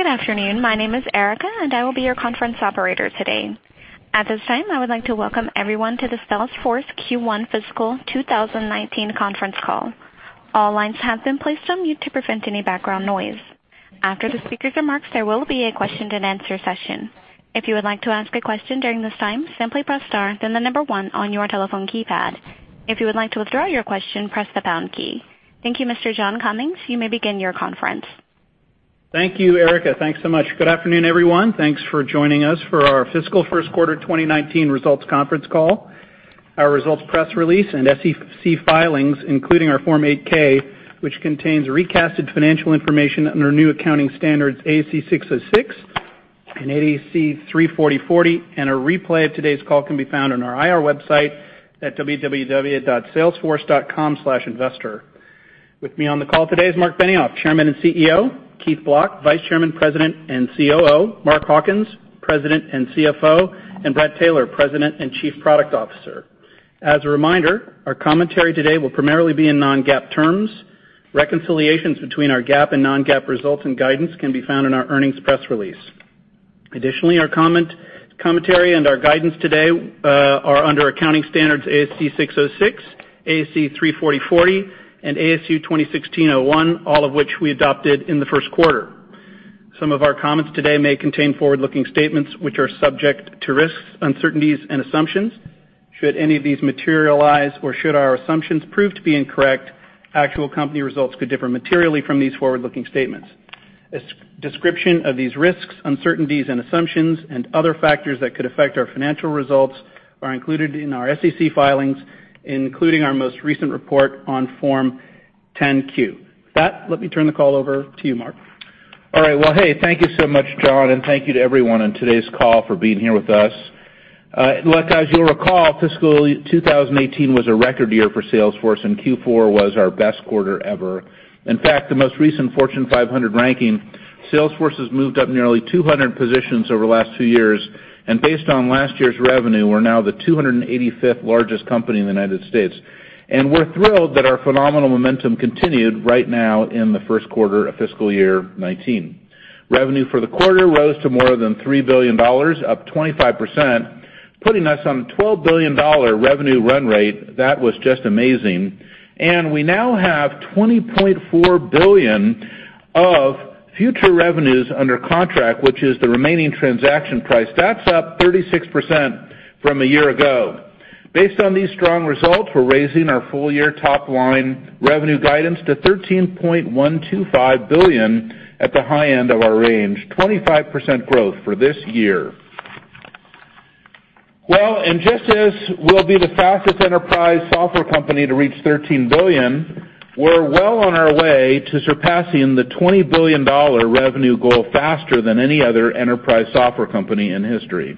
Good afternoon. My name is Erica, and I will be your conference operator today. At this time, I would like to welcome everyone to the Salesforce Q1 Fiscal 2019 Conference Call. All lines have been placed on mute to prevent any background noise. After the speakers' remarks, there will be a question-and-answer session. If you would like to ask a question during this time, simply press star, then the number 1 on your telephone keypad. If you would like to withdraw your question, press the pound key. Thank you, Mr. John Cummings. You may begin your conference. Thank you, Erica. Thanks so much. Good afternoon, everyone. Thanks for joining us for our fiscal first quarter 2019 results conference call. Our results press release and SEC filings, including our Form 8-K, which contains recasted financial information under new accounting standards, ASC 606 and ASC 340-40, and a replay of today's call can be found on our IR website at www.salesforce.com/investor. With me on the call today is Marc Benioff, Chairman and CEO, Keith Block, Vice Chairman, President, and COO, Mark Hawkins, President and CFO, and Bret Taylor, President and Chief Product Officer. As a reminder, our commentary today will primarily be in non-GAAP terms. Reconciliations between our GAAP and non-GAAP results and guidance can be found in our earnings press release. Additionally, our commentary and our guidance today are under accounting standards ASC 606, ASC 340-40, and ASU 2016-01, all of which we adopted in the first quarter. Some of our comments today may contain forward-looking statements which are subject to risks, uncertainties, and assumptions. Should any of these materialize, or should our assumptions prove to be incorrect, actual company results could differ materially from these forward-looking statements. A description of these risks, uncertainties, and assumptions and other factors that could affect our financial results are included in our SEC filings, including our most recent report on Form 10-Q. With that, let me turn the call over to you, Marc. All right. Well, hey, thank you so much, John. Thank you to everyone on today's call for being here with us. As you'll recall, fiscal 2018 was a record year for Salesforce, and Q4 was our best quarter ever. In fact, the most recent Fortune 500 ranking, Salesforce has moved up nearly 200 positions over the last two years, and based on last year's revenue, we're now the 285th largest company in the United States. We're thrilled that our phenomenal momentum continued right now in the first quarter of fiscal year 2019. Revenue for the quarter rose to more than $3 billion, up 25%, putting us on a $12 billion revenue run rate. That was just amazing. We now have $20.4 billion of future revenues under contract, which is the remaining transaction price. That's up 36% from a year ago. Based on these strong results, we're raising our full-year top-line revenue guidance to $13.125 billion at the high end of our range, 25% growth for this year. Just as we'll be the fastest enterprise software company to reach $13 billion, we're well on our way to surpassing the $20 billion revenue goal faster than any other enterprise software company in history.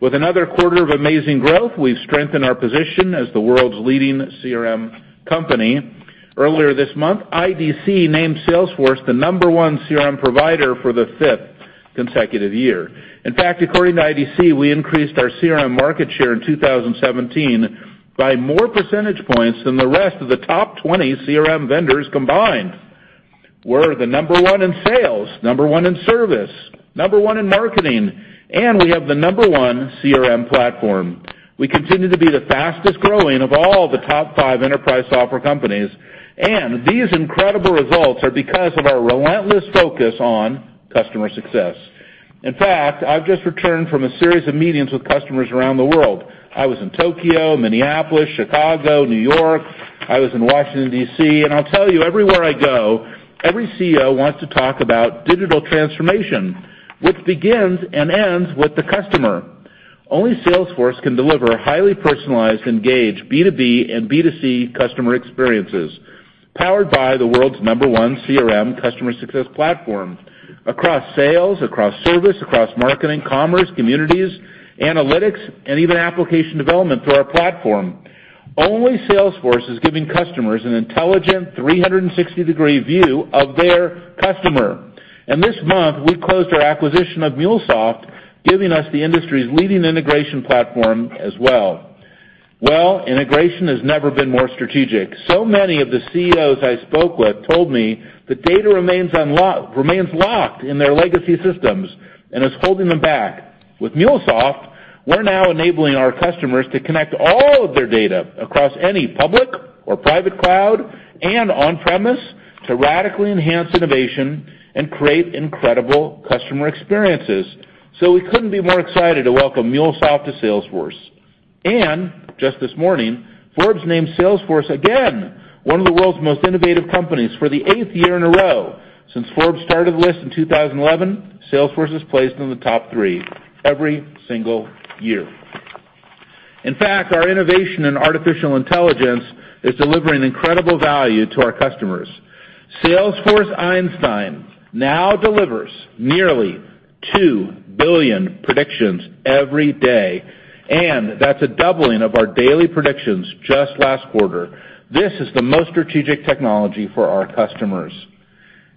With another quarter of amazing growth, we've strengthened our position as the world's leading CRM company. Earlier this month, IDC named Salesforce the number one CRM provider for the fifth consecutive year. In fact, according to IDC, we increased our CRM market share in 2017 by more percentage points than the rest of the top 20 CRM vendors combined. We're the number one in sales, number one in service, number one in marketing, and we have the number one CRM platform. We continue to be the fastest-growing of all the top five enterprise software companies, these incredible results are because of our relentless focus on customer success. In fact, I've just returned from a series of meetings with customers around the world. I was in Tokyo, Minneapolis, Chicago, New York. I was in Washington, D.C. I'll tell you, everywhere I go, every CEO wants to talk about digital transformation, which begins and ends with the customer. Only Salesforce can deliver highly personalized, engaged B2B and B2C customer experiences, powered by the world's number one CRM customer success platform. Across sales, across service, across marketing, commerce, communities, analytics, and even application development through our platform. Only Salesforce is giving customers an intelligent 360-degree view of their customer. This month, we closed our acquisition of MuleSoft, giving us the industry's leading integration platform as well. Well, integration has never been more strategic. Many of the CEOs I spoke with told me the data remains locked in their legacy systems and is holding them back. With MuleSoft, we're now enabling our customers to connect all of their data across any public or private cloud and on-premise to radically enhance innovation and create incredible customer experiences. We couldn't be more excited to welcome MuleSoft to Salesforce. Just this morning, Forbes named Salesforce, again, one of the world's most innovative companies for the eighth year in a row. Since Forbes started the list in 2011, Salesforce has placed in the top three every single year. In fact, our innovation in artificial intelligence is delivering incredible value to our customers. Salesforce Einstein now delivers nearly two billion predictions every day, and that's a doubling of our daily predictions just last quarter. This is the most strategic technology for our customers.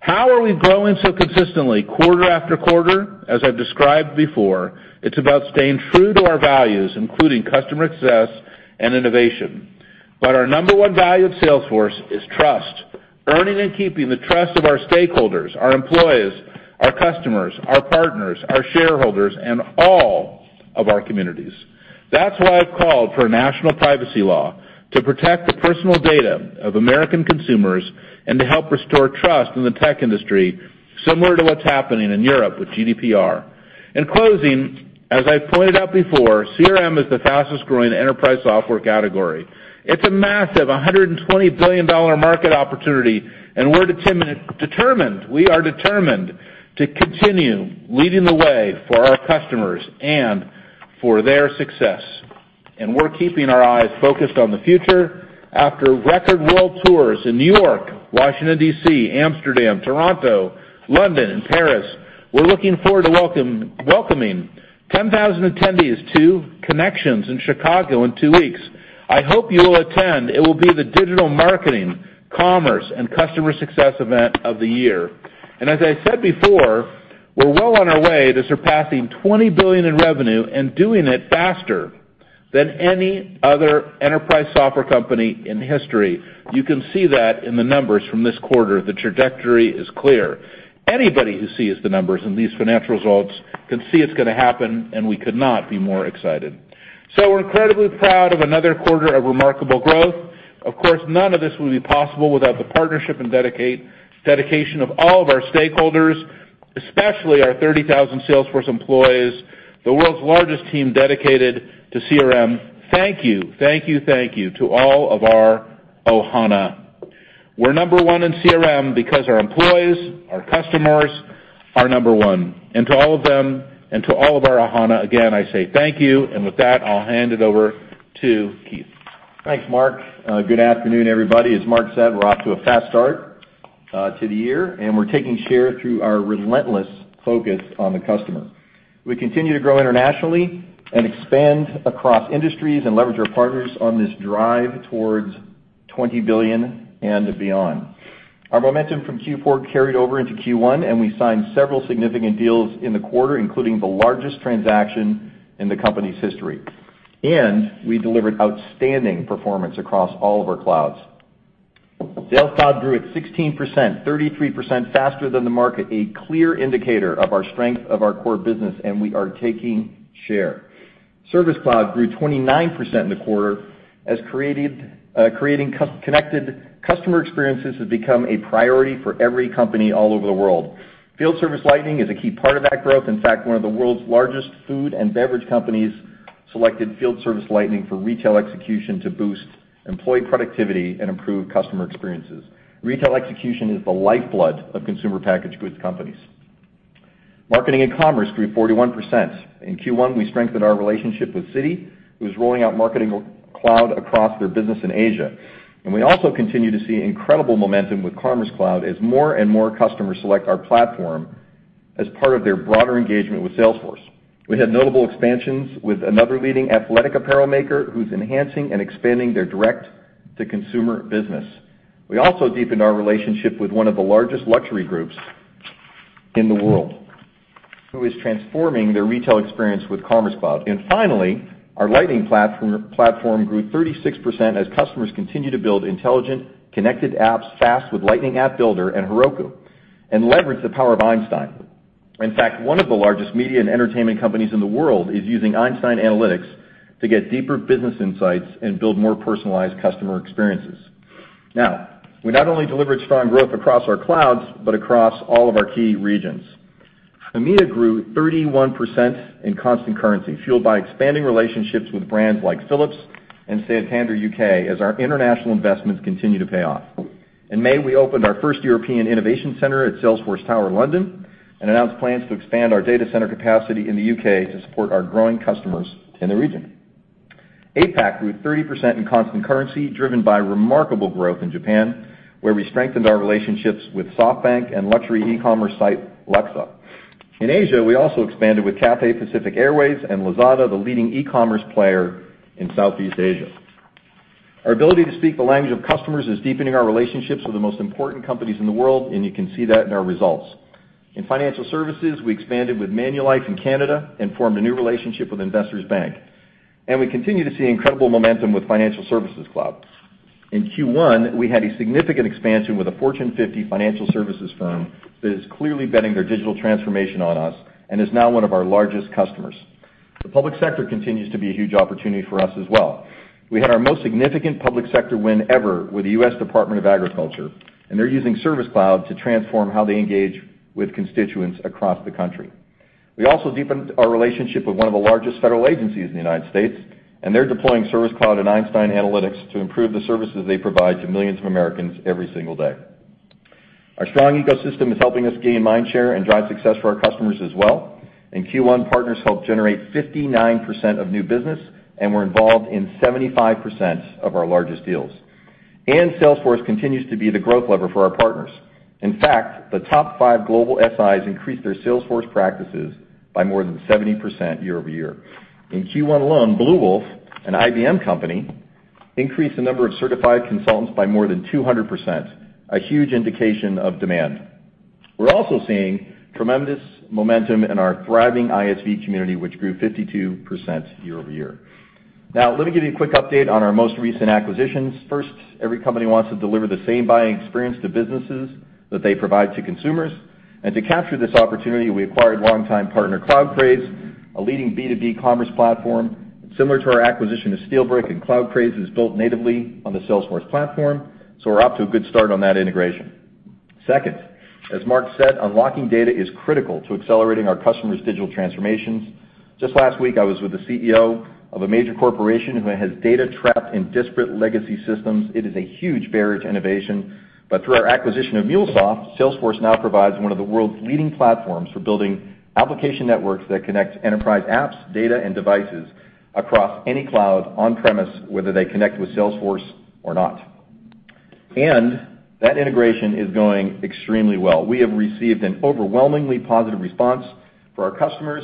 How are we growing so consistently quarter after quarter? As I've described before, it's about staying true to our values, including customer success and innovation. But our number one value at Salesforce is trust, earning and keeping the trust of our stakeholders, our employees, our customers, our partners, our shareholders, and all of our communities. That's why I've called for a national privacy law to protect the personal data of American consumers and to help restore trust in the tech industry, similar to what's happening in Europe with GDPR. In closing, as I pointed out before, CRM is the fastest growing enterprise software category. It's a massive $120 billion market opportunity, we are determined to continue leading the way for our customers and for their success. We're keeping our eyes focused on the future. After record World Tours in New York, Washington, D.C., Amsterdam, Toronto, London, and Paris, we're looking forward to welcoming 10,000 attendees to Connections in Chicago in two weeks. I hope you will attend. It will be the digital marketing, commerce, and customer success event of the year. As I said before, we're well on our way to surpassing $20 billion in revenue and doing it faster than any other enterprise software company in history. You can see that in the numbers from this quarter. The trajectory is clear. Anybody who sees the numbers in these financial results can see it's going to happen, and we could not be more excited. We're incredibly proud of another quarter of remarkable growth. Of course, none of this would be possible without the partnership and dedication of all of our stakeholders, especially our 30,000 Salesforce employees, the world's largest team dedicated to CRM. Thank you, thank you, thank you to all of our Ohana. We're number one in CRM because our employees, our customers, are number one. To all of them, and to all of our Ohana, again, I say thank you. With that, I'll hand it over to Keith. Thanks, Mark. Good afternoon, everybody. As Mark said, we're off to a fast start to the year, and we're taking share through our relentless focus on the customer. We continue to grow internationally and expand across industries and leverage our partners on this drive towards $20 billion and beyond. Our momentum from Q4 carried over into Q1, and we signed several significant deals in the quarter, including the largest transaction in the company's history. We delivered outstanding performance across all of our clouds. Sales Cloud grew at 16%, 33% faster than the market, a clear indicator of our strength of our core business, and we are taking share. Service Cloud grew 29% in the quarter, as creating connected customer experiences has become a priority for every company all over the world. Field Service Lightning is a key part of that growth. In fact, one of the world's largest food and beverage companies selected Field Service Lightning for retail execution to boost employee productivity and improve customer experiences. Retail execution is the lifeblood of consumer packaged goods companies. Marketing and Commerce grew 41%. In Q1, we strengthened our relationship with Citi, who's rolling out Marketing Cloud across their business in Asia. We also continue to see incredible momentum with Commerce Cloud as more and more customers select our platform as part of their broader engagement with Salesforce. We had notable expansions with another leading athletic apparel maker who's enhancing and expanding their direct-to-consumer business. We also deepened our relationship with one of the largest luxury groups in the world who is transforming their retail experience with Commerce Cloud. Finally, our Lightning Platform grew 36% as customers continue to build intelligent, connected apps fast with Lightning App Builder and Heroku and leverage the power of Einstein. In fact, one of the largest media and entertainment companies in the world is using Einstein Analytics to get deeper business insights and build more personalized customer experiences. We not only delivered strong growth across our clouds, but across all of our key regions. EMEA grew 31% in constant currency, fueled by expanding relationships with brands like Philips and Santander UK as our international investments continue to pay off. In May, we opened our first European Innovation Center at Salesforce Tower London and announced plans to expand our data center capacity in the U.K. to support our growing customers in the region. APAC grew 30% in constant currency, driven by remarkable growth in Japan, where we strengthened our relationships with SoftBank and luxury e-commerce site, Luxa. In Asia, we also expanded with Cathay Pacific Airways and Lazada, the leading e-commerce player in Southeast Asia. Our ability to speak the language of customers is deepening our relationships with the most important companies in the world, and you can see that in our results. In financial services, we expanded with Manulife in Canada and formed a new relationship with Investors Bank. We continue to see incredible momentum with Financial Services Cloud. In Q1, we had a significant expansion with a Fortune 50 financial services firm that is clearly betting their digital transformation on us and is now one of our largest customers. The public sector continues to be a huge opportunity for us as well. We had our most significant public sector win ever with the U.S. Department of Agriculture, and they're using Service Cloud to transform how they engage with constituents across the country. We also deepened our relationship with one of the largest federal agencies in the U.S., and they're deploying Service Cloud and Einstein Analytics to improve the services they provide to millions of Americans every single day. Our strong ecosystem is helping us gain mind share and drive success for our customers as well. In Q1, partners helped generate 59% of new business, and were involved in 75% of our largest deals. Salesforce continues to be the growth lever for our partners. In fact, the top five global SIs increased their Salesforce practices by more than 70% year-over-year. In Q1 alone, Bluewolf, an IBM company increased the number of certified consultants by more than 200%, a huge indication of demand. We're also seeing tremendous momentum in our thriving ISV community, which grew 52% year-over-year. Let me give you a quick update on our most recent acquisitions. First, every company wants to deliver the same buying experience to businesses that they provide to consumers. To capture this opportunity, we acquired longtime partner CloudCraze, a leading B2B commerce platform. Similar to our acquisition of SteelBrick, and CloudCraze is built natively on the Salesforce platform, so we're off to a good start on that integration. Second, as Mark said, unlocking data is critical to accelerating our customers' digital transformations. Just last week, I was with the CEO of a major corporation who has data trapped in disparate legacy systems. It is a huge barrier to innovation. Through our acquisition of MuleSoft, Salesforce now provides one of the world's leading platforms for building application networks that connect enterprise apps, data, and devices across any cloud on-premise, whether they connect with Salesforce or not. That integration is going extremely well. We have received an overwhelmingly positive response for our customers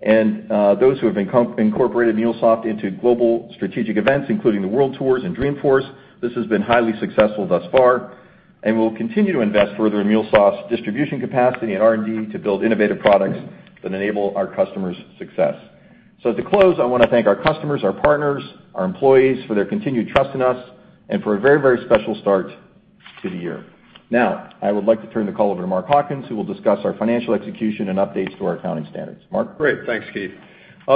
and those who have incorporated MuleSoft into global strategic events, including the World Tours and Dreamforce. This has been highly successful thus far, and we'll continue to invest further in MuleSoft's distribution capacity and R&D to build innovative products that enable our customers' success. To close, I want to thank our customers, our partners, our employees for their continued trust in us and for a very special start to the year. I would like to turn the call over to Mark Hawkins, who will discuss our financial execution and updates to our accounting standards. Mark? Great. Thanks, Keith.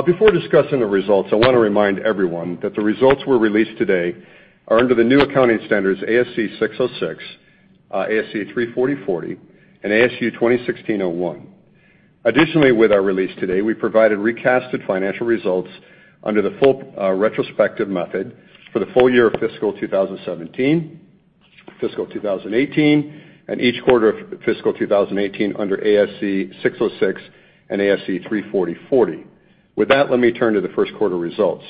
Before discussing the results, I want to remind everyone that the results released today are under the new accounting standards, ASC 606, ASC 340-40, and ASU 2016-01. Additionally, with our release today, we provided recasted financial results under the full retrospective method for the full year of fiscal 2017, fiscal 2018, and each quarter of fiscal 2018 under ASC 606 and ASC 340-40. Let me turn to the first quarter results.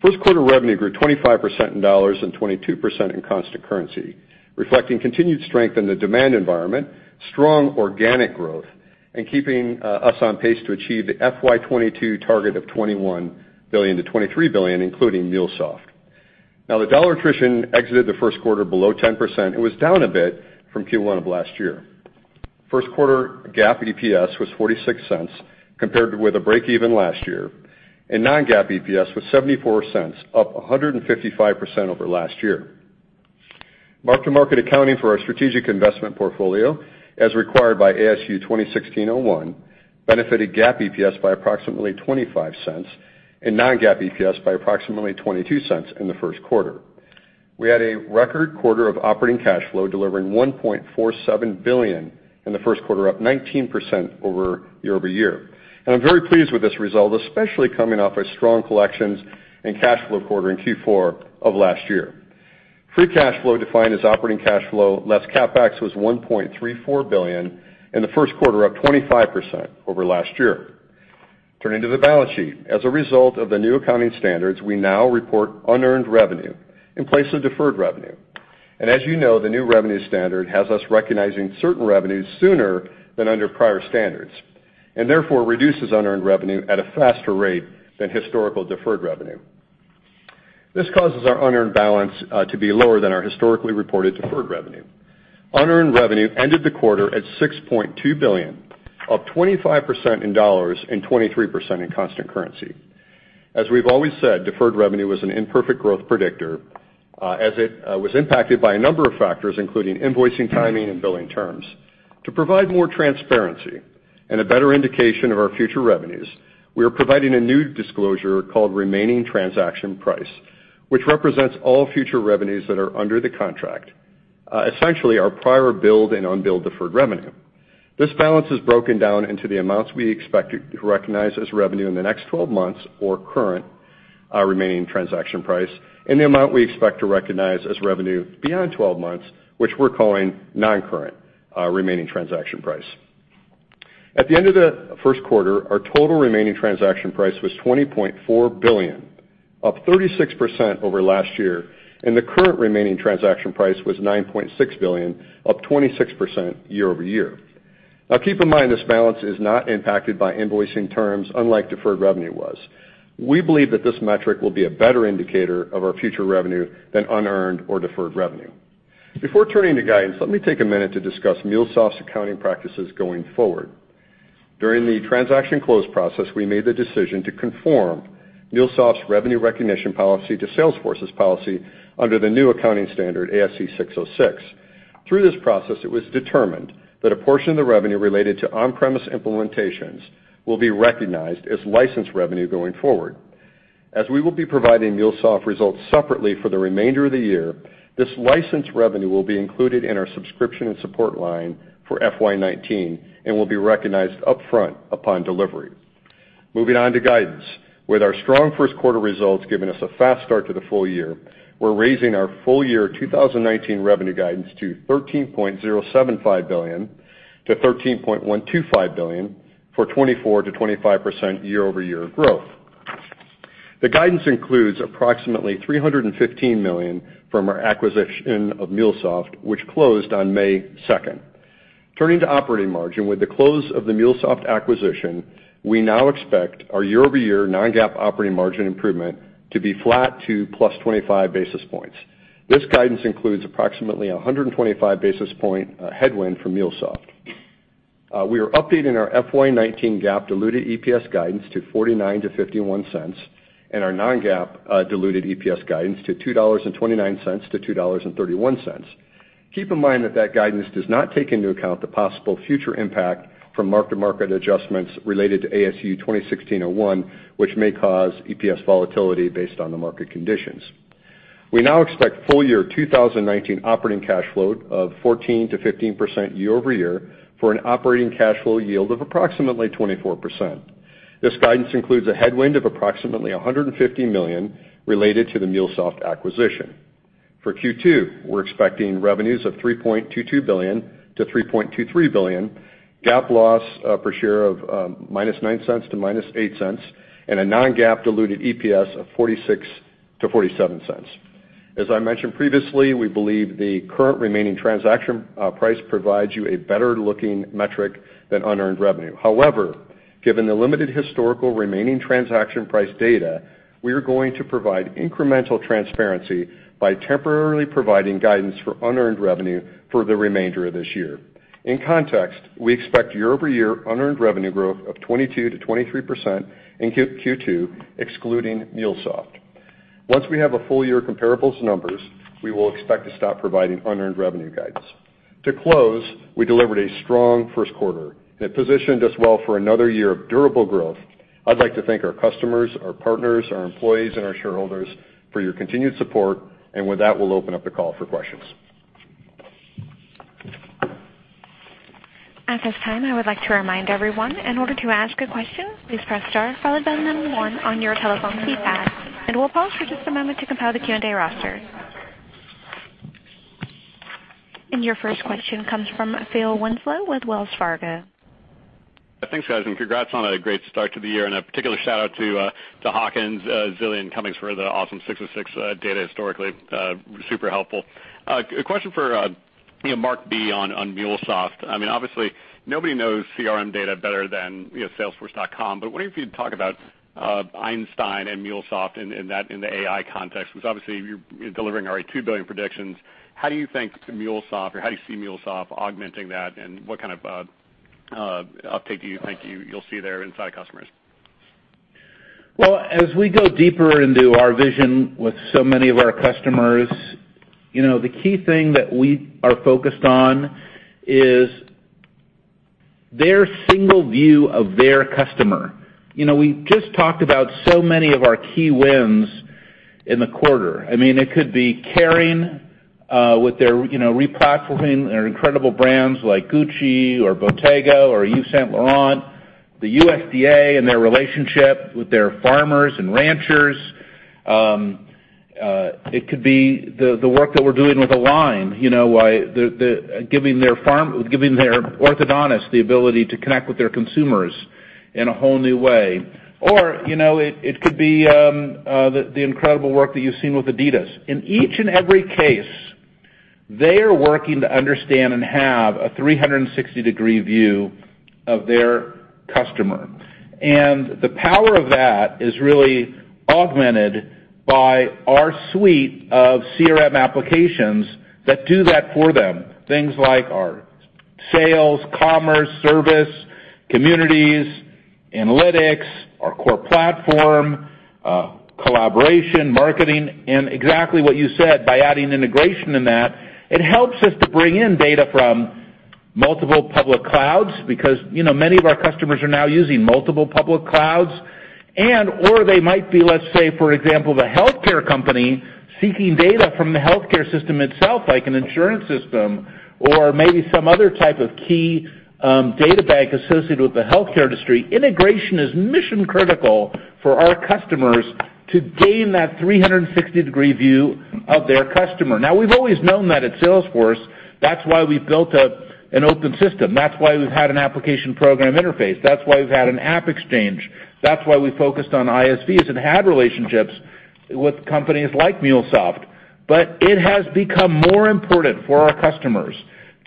First quarter revenue grew 25% in dollars and 22% in constant currency, reflecting continued strength in the demand environment, strong organic growth, and keeping us on pace to achieve the FY 2022 target of $21 billion-$23 billion, including MuleSoft. The dollar attrition exited the first quarter below 10%. It was down a bit from Q1 of last year. First quarter GAAP EPS was $0.46 compared with a break even last year, non-GAAP EPS was $0.74, up 155% over last year. Mark-to-market accounting for our strategic investment portfolio, as required by ASU 2016-01, benefited GAAP EPS by approximately $0.25 and non-GAAP EPS by approximately $0.22 in the first quarter. We had a record quarter of operating cash flow, delivering $1.47 billion in the first quarter, up 19% year-over-year. I'm very pleased with this result, especially coming off a strong collections and cash flow quarter in Q4 of last year. Free cash flow defined as operating cash flow, less CapEx, was $1.34 billion in the first quarter, up 25% over last year. Turning to the balance sheet. As a result of the new accounting standards, we now report unearned revenue in place of deferred revenue. As you know, the new revenue standard has us recognizing certain revenues sooner than under prior standards, and therefore reduces unearned revenue at a faster rate than historical deferred revenue. This causes our unearned balance to be lower than our historically reported deferred revenue. Unearned revenue ended the quarter at $6.2 billion, up 25% in dollars and 23% in constant currency. We've always said, deferred revenue was an imperfect growth predictor, as it was impacted by a number of factors, including invoicing timing and billing terms. To provide more transparency and a better indication of our future revenues, we are providing a new disclosure called remaining transaction price, which represents all future revenues that are under the contract, essentially our prior billed and unbilled deferred revenue. This balance is broken down into the amounts we expect to recognize as revenue in the next 12 months or current remaining transaction price, and the amount we expect to recognize as revenue beyond 12 months, which we're calling non-current remaining transaction price. At the end of the first quarter, our total remaining transaction price was $20.4 billion, up 36% over last year, and the current remaining transaction price was $9.6 billion, up 26% year-over-year. Keep in mind, this balance is not impacted by invoicing terms, unlike deferred revenue was. We believe that this metric will be a better indicator of our future revenue than unearned or deferred revenue. Before turning to guidance, let me take a minute to discuss MuleSoft's accounting practices going forward. During the transaction close process, we made the decision to conform MuleSoft's revenue recognition policy to Salesforce's policy under the new accounting standard, ASC 606. Through this process, it was determined that a portion of the revenue related to on-premise implementations will be recognized as license revenue going forward. As we will be providing MuleSoft results separately for the remainder of the year, this license revenue will be included in our subscription and support line for FY 2019 and will be recognized upfront upon delivery. Moving on to guidance. With our strong first quarter results giving us a fast start to the full year, we're raising our full year 2019 revenue guidance to $13.075 billion-$13.125 billion for 24%-25% year-over-year growth. The guidance includes approximately $315 million from our acquisition of MuleSoft, which closed on May 2nd. Turning to operating margin. With the close of the MuleSoft acquisition, we now expect our year-over-year non-GAAP operating margin improvement to be flat to plus 25 basis points. This guidance includes approximately 125 basis point headwind from MuleSoft. We are updating our FY 2019 GAAP diluted EPS guidance to $0.49-$0.51, and our non-GAAP diluted EPS guidance to $2.29-$2.31. Keep in mind that guidance does not take into account the possible future impact from mark-to-market adjustments related to ASU 2016-01, which may cause EPS volatility based on the market conditions. We now expect full year 2019 operating cash flow of 14%-15% year-over-year for an operating cash flow yield of approximately 24%. This guidance includes a headwind of approximately $150 million related to the MuleSoft acquisition. For Q2, we're expecting revenues of $3.22 billion-$3.23 billion, GAAP loss per share of -$0.09 to -$0.08, and a non-GAAP diluted EPS of $0.46-$0.47. As I mentioned previously, we believe the current remaining transaction price provides you a better-looking metric than unearned revenue. However, given the limited historical remaining transaction price data, we are going to provide incremental transparency by temporarily providing guidance for unearned revenue for the remainder of this year. In context, we expect year-over-year unearned revenue growth of 22%-23% in Q2, excluding MuleSoft. Once we have a full-year comparables numbers, we will expect to stop providing unearned revenue guidance. To close, we delivered a strong first quarter that positioned us well for another year of durable growth. I'd like to thank our customers, our partners, our employees, and our shareholders for your continued support. With that, we'll open up the call for questions. At this time, I would like to remind everyone, in order to ask a question, please press star followed by the number one on your telephone keypad. We'll pause for just a moment to compile the Q&A roster. Your first question comes from Philip Winslow with Wells Fargo. Thanks, guys, and congrats on a great start to the year, and a particular shout-out to Hawkins, Zillian, Cummings for the awesome 606 data historically. Super helpful. A question for Marc B on MuleSoft. Obviously, nobody knows CRM data better than salesforce.com, but wondering if you'd talk about Einstein and MuleSoft in the AI context, because obviously you're delivering already 2 billion predictions. How do you think MuleSoft, or how do you see MuleSoft augmenting that, and what kind of uptake do you think you'll see there inside customers? As we go deeper into our vision with so many of our customers, the key thing that we are focused on is their single view of their customer. We just talked about so many of our key wins in the quarter. It could be Kering, with their re-platforming their incredible brands like Gucci or Bottega or Yves Saint Laurent, the USDA and their relationship with their farmers and ranchers. It could be the work that we're doing with Align, giving their orthodontist the ability to connect with their consumers in a whole new way. It could be the incredible work that you've seen with Adidas. In each and every case, they are working to understand and have a 360-degree view of their customer. The power of that is really augmented by our suite of CRM applications that do that for them. Things like our sales, commerce, service, communities, analytics, our core platform, collaboration, marketing, and exactly what you said, by adding integration in that, it helps us to bring in data from multiple public clouds, because many of our customers are now using multiple public clouds, and/or they might be, let's say, for example, the healthcare company seeking data from the healthcare system itself, like an insurance system or maybe some other type of key data bank associated with the healthcare industry. Integration is mission critical for our customers to gain that 360-degree view of their customer. Now, we've always known that at Salesforce. That's why we've built an open system. That's why we've had an application program interface. That's why we've had an AppExchange. That's why we focused on ISVs and had relationships with companies like MuleSoft. It has become more important for our customers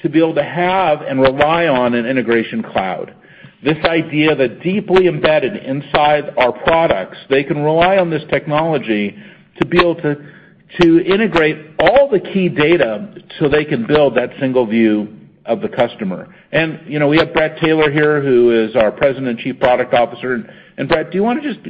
to be able to have and rely on an Integration Cloud. This idea that deeply embedded inside our products, they can rely on this technology to be able to integrate all the key data so they can build that single view of the customer. We have Bret Taylor here, who is our President, Chief Product Officer. Bret, do you want to just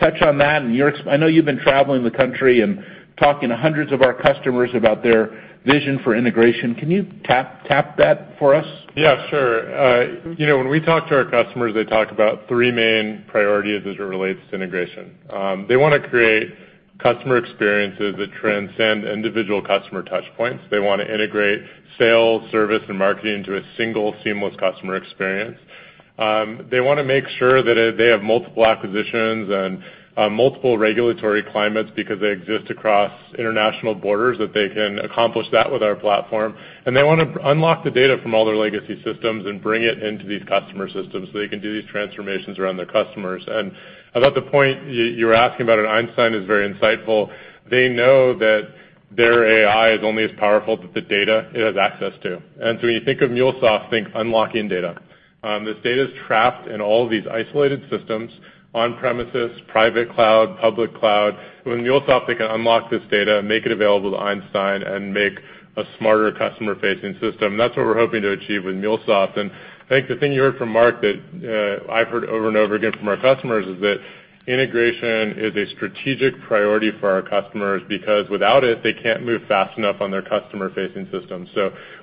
touch on that? I know you've been traveling the country and talking to hundreds of our customers about their vision for integration. Can you tap that for us? Yeah, sure. When we talk to our customers, they talk about three main priorities as it relates to integration. They want to create customer experiences that transcend individual customer touch points. They want to integrate sales, service, and marketing into a single seamless customer experience. They want to make sure that they have multiple acquisitions and multiple regulatory climates because they exist across international borders, that they can accomplish that with our platform. They want to unlock the data from all their legacy systems and bring it into these customer systems so they can do these transformations around their customers. About the point you were asking about on Einstein is very insightful. They know that their AI is only as powerful as the data it has access to. When you think of MuleSoft, think unlocking data. This data is trapped in all of these isolated systems, on-premises, private cloud, public cloud. With MuleSoft, they can unlock this data and make it available to Einstein and make a smarter customer-facing system. That's what we're hoping to achieve with MuleSoft. I think the thing you heard from Mark that I've heard over and over again from our customers is that integration is a strategic priority for our customers, because without it, they can't move fast enough on their customer-facing system.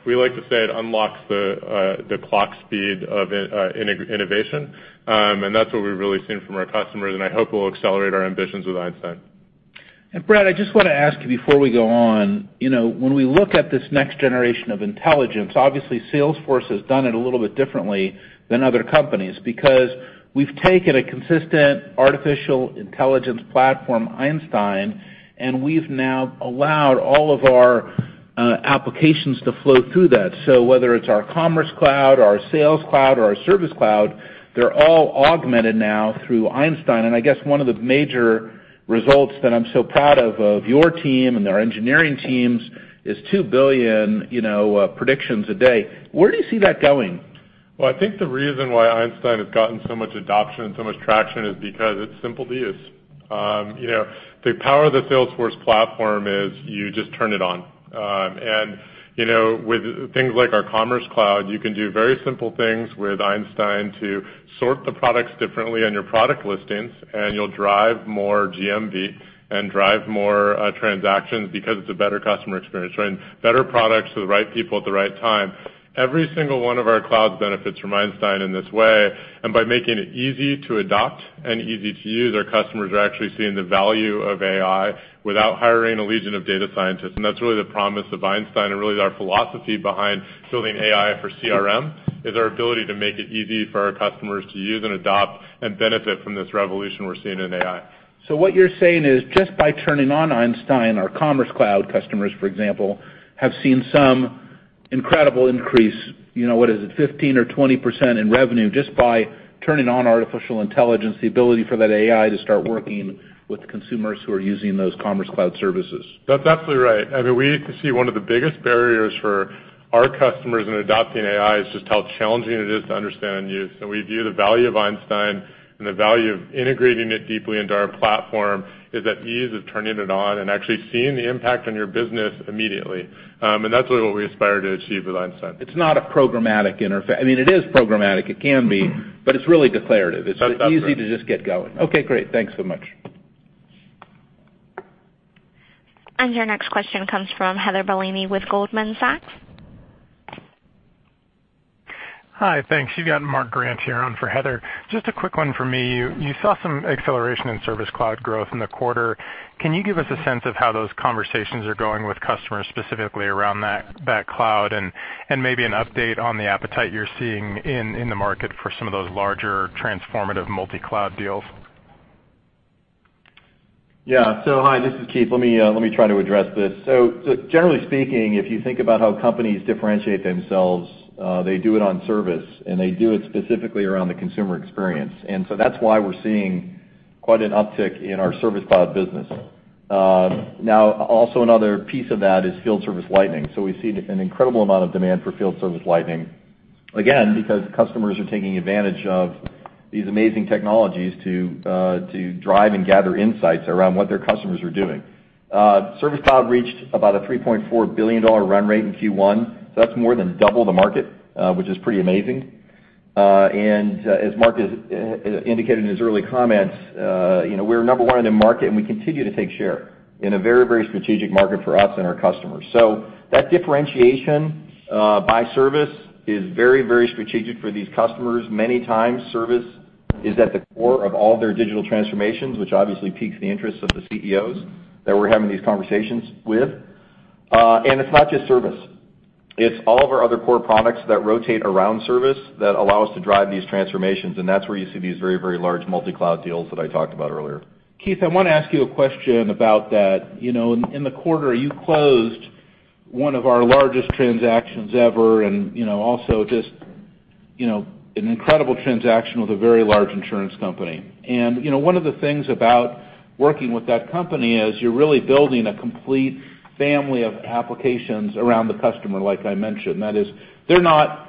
We like to say it unlocks the clock speed of innovation, and that's what we've really seen from our customers, and I hope we'll accelerate our ambitions with Einstein. Brad, I just want to ask you before we go on, when we look at this next generation of intelligence, obviously Salesforce has done it a little bit differently than other companies, because we've taken a consistent artificial intelligence platform, Einstein, and we've now allowed all of our applications to flow through that. Whether it's our Commerce Cloud, our Sales Cloud, or our Service Cloud, they're all augmented now through Einstein. I guess one of the major results that I'm so proud of your team and our engineering teams, is 2 billion predictions a day. Where do you see that going? Well, I think the reason why Einstein has gotten so much adoption and so much traction is because it's simple to use. The power of the Salesforce platform is you just turn it on. With things like our Commerce Cloud, you can do very simple things with Einstein to sort the products differently on your product listings, and you'll drive more GMV and drive more transactions because it's a better customer experience, right? Better products to the right people at the right time. Every single one of our clouds benefits from Einstein in this way, and by making it easy to adopt and easy to use, our customers are actually seeing the value of AI without hiring a legion of data scientists. That's really the promise of Einstein and really our philosophy behind building AI for CRM, is our ability to make it easy for our customers to use and adopt and benefit from this revolution we're seeing in AI. What you're saying is just by turning on Einstein, our Commerce Cloud customers, for example, have seen some incredible increase. What is it? 15% or 20% in revenue just by turning on artificial intelligence, the ability for that AI to start working with consumers who are using those Commerce Cloud services. That's absolutely right. I mean, we see one of the biggest barriers for our customers in adopting AI is just how challenging it is to understand and use. We view the value of Einstein and the value of integrating it deeply into our platform, is that ease of turning it on and actually seeing the impact on your business immediately. That's really what we aspire to achieve with Einstein. It's not a programmatic interface. I mean, it is programmatic. It can be, but it's really declarative. That's absolutely. It's easy to just get going. Okay, great. Thanks so much. Your next question comes from Heather Bellini with Goldman Sachs. Hi, thanks. You've got Mark Grant here on for Heather. Just a quick one for me. You saw some acceleration in Service Cloud growth in the quarter. Can you give us a sense of how those conversations are going with customers, specifically around that cloud and maybe an update on the appetite you're seeing in the market for some of those larger transformative multi-cloud deals? Hi, this is Keith. Let me try to address this. Generally speaking, if you think about how companies differentiate themselves, they do it on service, and they do it specifically around the consumer experience. That's why we're seeing quite an uptick in our Service Cloud business. Now, also another piece of that is Field Service Lightning. We see an incredible amount of demand for Field Service Lightning, again, because customers are taking advantage of these amazing technologies to drive and gather insights around what their customers are doing. Service Cloud reached about a $3.4 billion run rate in Q1. That's more than double the market, which is pretty amazing. As Mark has indicated in his early comments, we're number one in the market, and we continue to take share in a very, very strategic market for us and our customers. That differentiation by service is very, very strategic for these customers. Many times service is at the core of all their digital transformations, which obviously piques the interest of the CEOs that we're having these conversations with. It's not just service. It's all of our other core products that rotate around service that allow us to drive these transformations, and that's where you see these very, very large multi-cloud deals that I talked about earlier. Keith, I want to ask you a question about that. In the quarter, you closed one of our largest transactions ever and also just an incredible transaction with a very large insurance company. One of the things about working with that company is you're really building a complete family of applications around the customer, like I mentioned. That is, they're not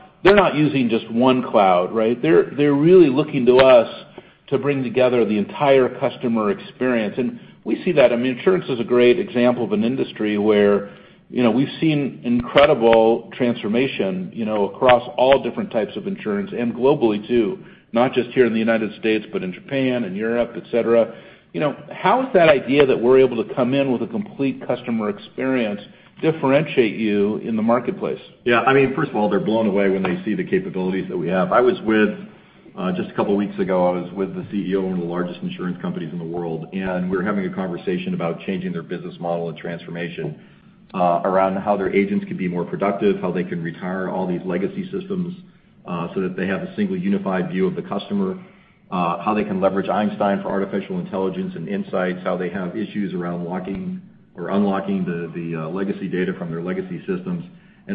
using just one cloud, right? They're really looking to us to bring together the entire customer experience. We see that. I mean, insurance is a great example of an industry where we've seen incredible transformation across all different types of insurance and globally, too. Not just here in the United States, but in Japan and Europe, et cetera. How is that idea that we're able to come in with a complete customer experience differentiate you in the marketplace? Yeah. I mean, first of all, they're blown away when they see the capabilities that we have. Just a couple of weeks ago, I was with the CEO of one of the largest insurance companies in the world, we were having a conversation about changing their business model and transformation, around how their agents could be more productive, how they can retire all these legacy systems, so that they have a single unified view of the customer, how they can leverage Einstein for artificial intelligence and insights, how they have issues around locking or unlocking the legacy data from their legacy systems.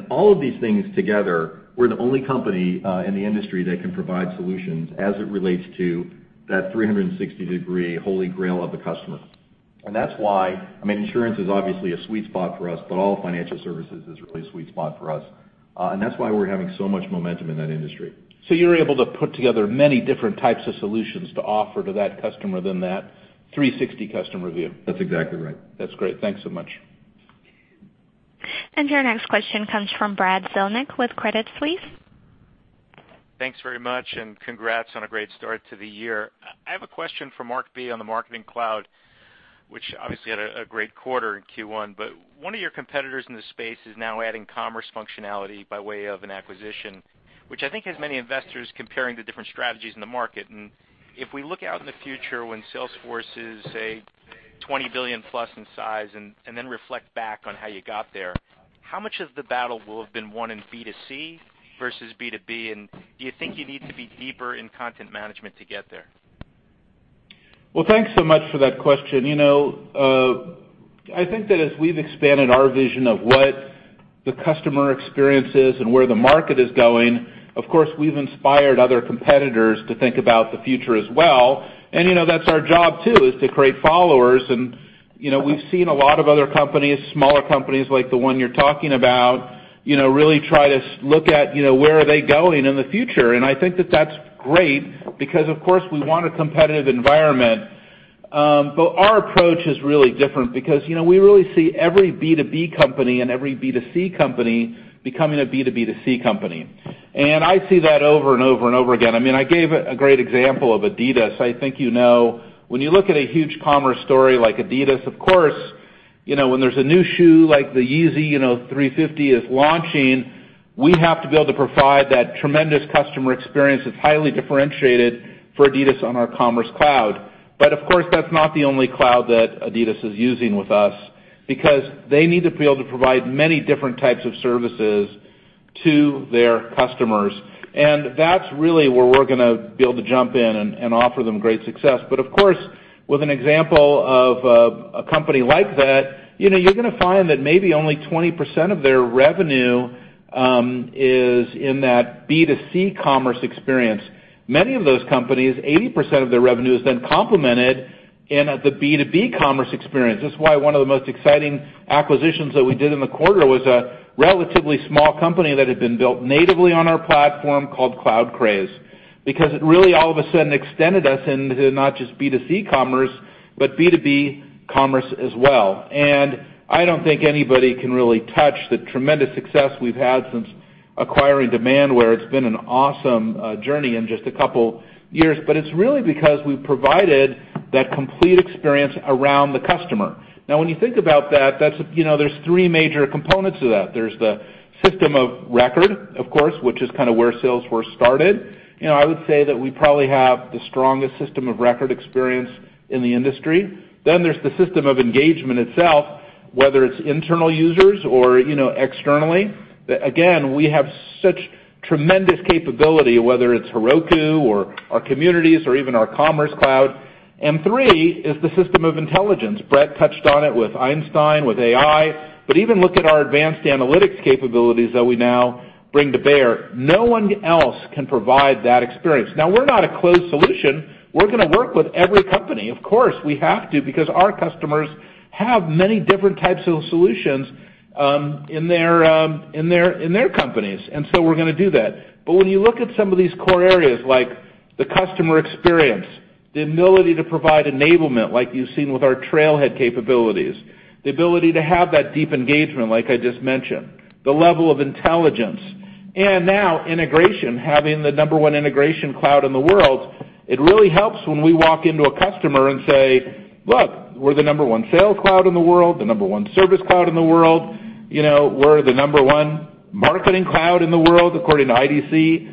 All of these things together, we're the only company in the industry that can provide solutions as it relates to that 360-degree holy grail of the customer. That's why, insurance is obviously a sweet spot for us, but all financial services is really a sweet spot for us. That's why we're having so much momentum in that industry. You're able to put together many different types of solutions to offer to that customer than that 360-customer view? That's exactly right. That's great. Thanks so much. Your next question comes from Brad Zelnick with Credit Suisse. Thanks very much. Congrats on a great start to the year. I have a question for Marc B. on the Marketing Cloud, which obviously had a great quarter in Q1. One of your competitors in this space is now adding commerce functionality by way of an acquisition, which I think has many investors comparing the different strategies in the market. If we look out in the future when Salesforce is, say, $20 billion plus in size, then reflect back on how you got there, how much of the battle will have been won in B2C versus B2B, and do you think you need to be deeper in content management to get there? Thanks so much for that question. I think that as we've expanded our vision of what the customer experience is and where the market is going, of course, we've inspired other competitors to think about the future as well. That's our job, too, is to create followers. We've seen a lot of other companies, smaller companies like the one you're talking about, really try to look at where are they going in the future. I think that that's great because, of course, we want a competitive environment. Our approach is really different because we really see every B2B company and every B2C company becoming a B2B2C company. I see that over and over and over again. I gave a great example of Adidas. I think you know, when you look at a huge commerce story like Adidas, of course, when there's a new shoe like the Yeezy 350 is launching, we have to be able to provide that tremendous customer experience that's highly differentiated for Adidas on our Commerce Cloud. Of course, that's not the only cloud that Adidas is using with us, because they need to be able to provide many different types of services to their customers. That's really where we're going to be able to jump in and offer them great success. Of course, with an example of a company like that, you're going to find that maybe only 20% of their revenue is in that B2C commerce experience. Many of those companies, 80% of their revenue is then complemented in the B2B commerce experience. This is why one of the most exciting acquisitions that we did in the quarter was a relatively small company that had been built natively on our platform called CloudCraze. It really all of a sudden extended us into not just B2C commerce, but B2B commerce as well. I don't think anybody can really touch the tremendous success we've had since acquiring Demandware. It's been an awesome journey in just a couple years. It's really because we've provided that complete experience around the customer. When you think about that, there's three major components to that. There's the system of record, of course, which is kind of where Salesforce started. I would say that we probably have the strongest system of record experience in the industry. There's the system of engagement itself, whether it's internal users or externally. Again, we have such tremendous capability, whether it's Heroku or our communities or even our Commerce Cloud. Three is the system of intelligence. Bret touched on it with Einstein, with AI. Even look at our advanced analytics capabilities that we now bring to bear. No one else can provide that experience. We're not a closed solution. We're going to work with every company. Of course, we have to, because our customers have many different types of solutions in their companies. We're going to do that. When you look at some of these core areas, like the customer experience, the ability to provide enablement, like you've seen with our Trailhead capabilities, the ability to have that deep engagement, like I just mentioned, the level of intelligence. Now integration, having the number one Integration Cloud in the world, it really helps when we walk into a customer and say, "Look, we're the number one Sales Cloud in the world, the number one Service Cloud in the world. We're the number one Marketing Cloud in the world, according to IDC."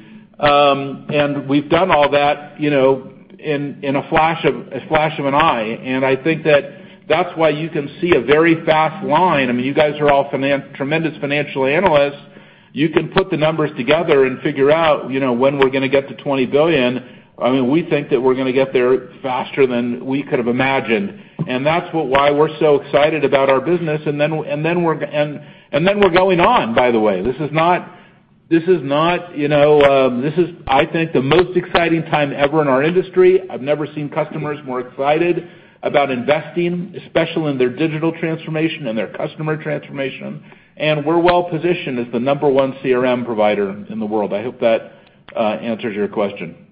We've done all that in a flash of an eye. I think that that's why you can see a very fast line. You guys are all tremendous financial analysts. You can put the numbers together and figure out when we're going to get to $20 billion. We think that we're going to get there faster than we could have imagined. That's why we're so excited about our business. Then we're going on, by the way. This is, I think, the most exciting time ever in our industry. I've never seen customers more excited about investing, especially in their digital transformation and their customer transformation. We're well positioned as the number one CRM provider in the world. I hope that answers your question.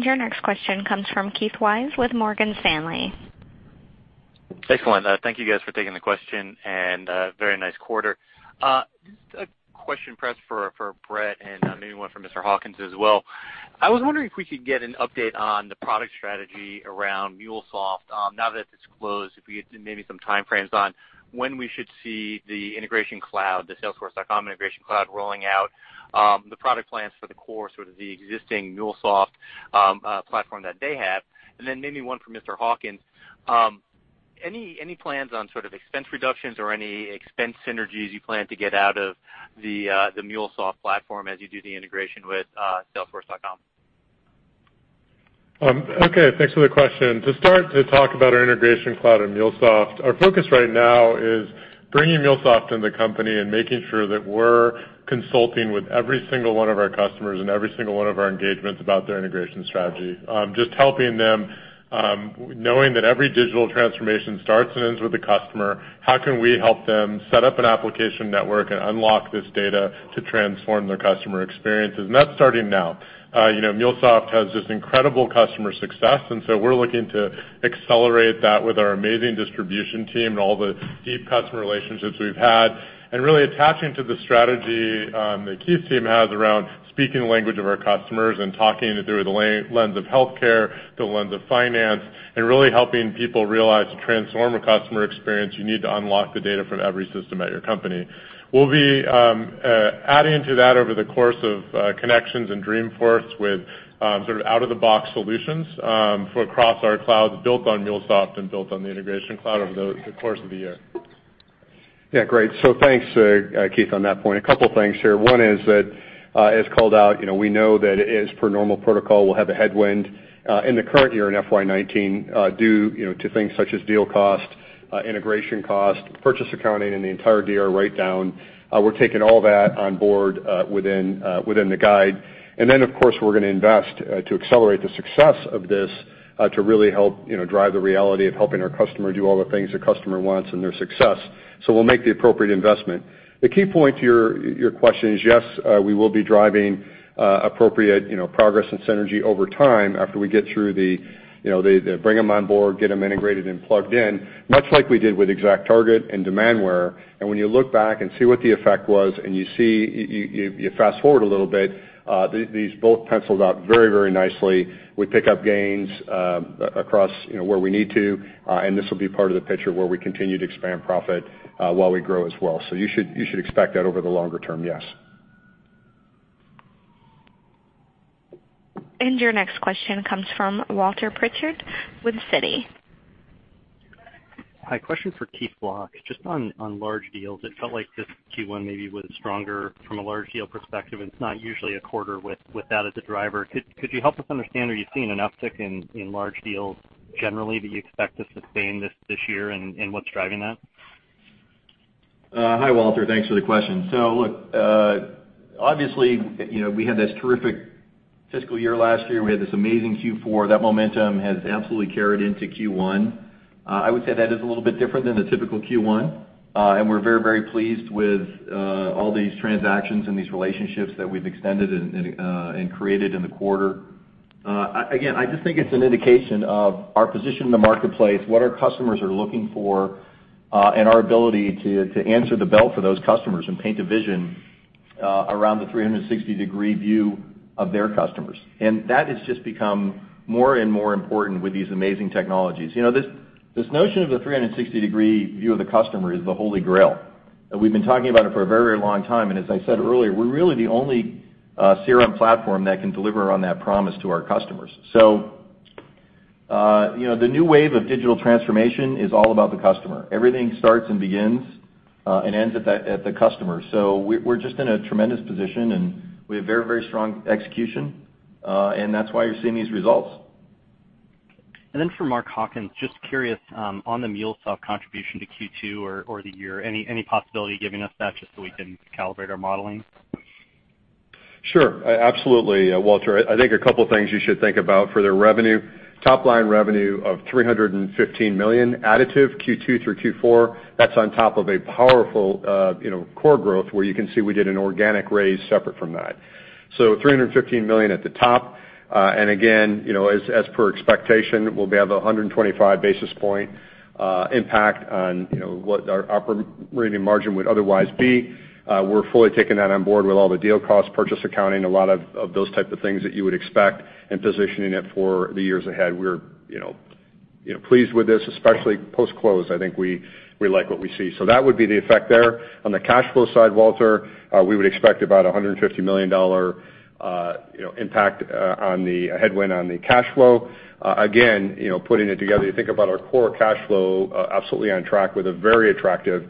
Your next question comes from Keith Weiss with Morgan Stanley. Excellent. Thank you guys for taking the question, very nice quarter. A question perhaps for Bret, and maybe one for Mr. Hawkins as well. I was wondering if we could get an update on the product strategy around MuleSoft now that it's closed, if we could get maybe some time frames on when we should see the Salesforce Integration Cloud rolling out, the product plans for the core, sort of the existing MuleSoft platform that they have. Then maybe one for Mr. Hawkins. Any plans on expense reductions or any expense synergies you plan to get out of the MuleSoft platform as you do the integration with salesforce.com? Okay, thanks for the question. To start to talk about our Integration Cloud and MuleSoft, our focus right now is bringing MuleSoft into the company and making sure that we're consulting with every single one of our customers and every single one of our engagements about their integration strategy. Just helping them, knowing that every digital transformation starts and ends with the customer, how can we help them set up an application network and unlock this data to transform their customer experiences? That's starting now. MuleSoft has this incredible customer success, and so we're looking to accelerate that with our amazing distribution team and all the deep customer relationships we've had. Really attaching to the strategy Keith's team has around speaking the language of our customers and talking through the lens of healthcare, the lens of finance, and really helping people realize to transform a customer experience, you need to unlock the data from every system at your company. We'll be adding to that over the course of Connections in Dreamforce with sort of out-of-the-box solutions for across our clouds built on MuleSoft and built on the Integration Cloud over the course of the year. Yeah. Great. Thanks, Keith, on that point. A couple things here. One is that, as called out, we know that as per normal protocol, we'll have a headwind in the current year in FY 2019 due to things such as deal cost, integration cost, purchase accounting in the entire DR write-down. We're taking all that on board within the guide. Then, of course, we're going to invest to accelerate the success of this to really help drive the reality of helping our customer do all the things the customer wants and their success. We'll make the appropriate investment. The key point to your question is, yes, we will be driving appropriate progress and synergy over time after we get through the bring them on board, get them integrated and plugged in, much like we did with ExactTarget and Demandware. When you look back and see what the effect was, and you fast-forward a little bit, these both penciled out very nicely. We pick up gains across where we need to. This will be part of the picture where we continue to expand profit, while we grow as well. You should expect that over the longer term, yes. Your next question comes from Walter Pritchard with Citi. Hi. Question for Keith Block. Just on large deals, it felt like this Q1 maybe was stronger from a large deal perspective. It's not usually a quarter with that as a driver. Could you help us understand, are you seeing an uptick in large deals generally that you expect to sustain this year? What's driving that? Hi, Walter. Thanks for the question. Look, obviously, we had this terrific fiscal year last year. We had this amazing Q4. That momentum has absolutely carried into Q1. I would say that is a little bit different than the typical Q1. We're very pleased with all these transactions and these relationships that we've extended and created in the quarter. Again, I just think it's an indication of our position in the marketplace, what our customers are looking for, and our ability to answer the bell for those customers and paint a vision around the 360-degree view of their customers. That has just become more and more important with these amazing technologies. This notion of the 360-degree view of the customer is the Holy Grail. We've been talking about it for a very long time. As I said earlier, we're really the only CRM platform that can deliver on that promise to our customers. The new wave of digital transformation is all about the customer. Everything starts and begins, and ends at the customer. We're just in a tremendous position. We have very strong execution. That's why you're seeing these results. For Mark Hawkins, just curious, on the MuleSoft contribution to Q2 or the year, any possibility giving us that just so we can calibrate our modeling? Sure. Absolutely, Walter. I think a couple things you should think about for their revenue. Top line revenue of $315 million additive Q2 through Q4. That's on top of a powerful core growth where you can see we did an organic raise separate from that. $315 million at the top. Again, as per expectation, we'll have 125 basis point impact on what our operating margin would otherwise be. We're fully taking that on board with all the deal costs, purchase accounting, a lot of those type of things that you would expect, and positioning it for the years ahead. We're pleased with this, especially post-close. I think we like what we see. That would be the effect there. On the cash flow side, Walter, we would expect about $150 million headwind on the cash flow. Again, putting it together, you think about our core cash flow, absolutely on track with a very attractive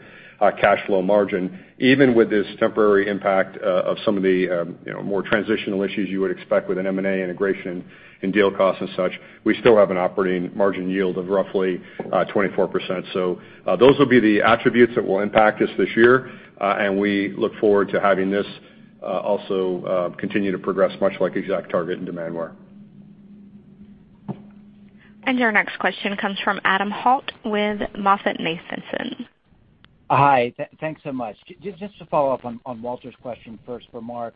cash flow margin. Even with this temporary impact of some of the more transitional issues you would expect with an M&A integration and deal costs and such, we still have an operating margin yield of roughly 24%. Those will be the attributes that will impact us this year, and we look forward to having this also continue to progress, much like ExactTarget and Demandware. Your next question comes from Adam Holt with MoffettNathanson. Hi. Thanks so much. Just to follow up on Walter's question first for Mark.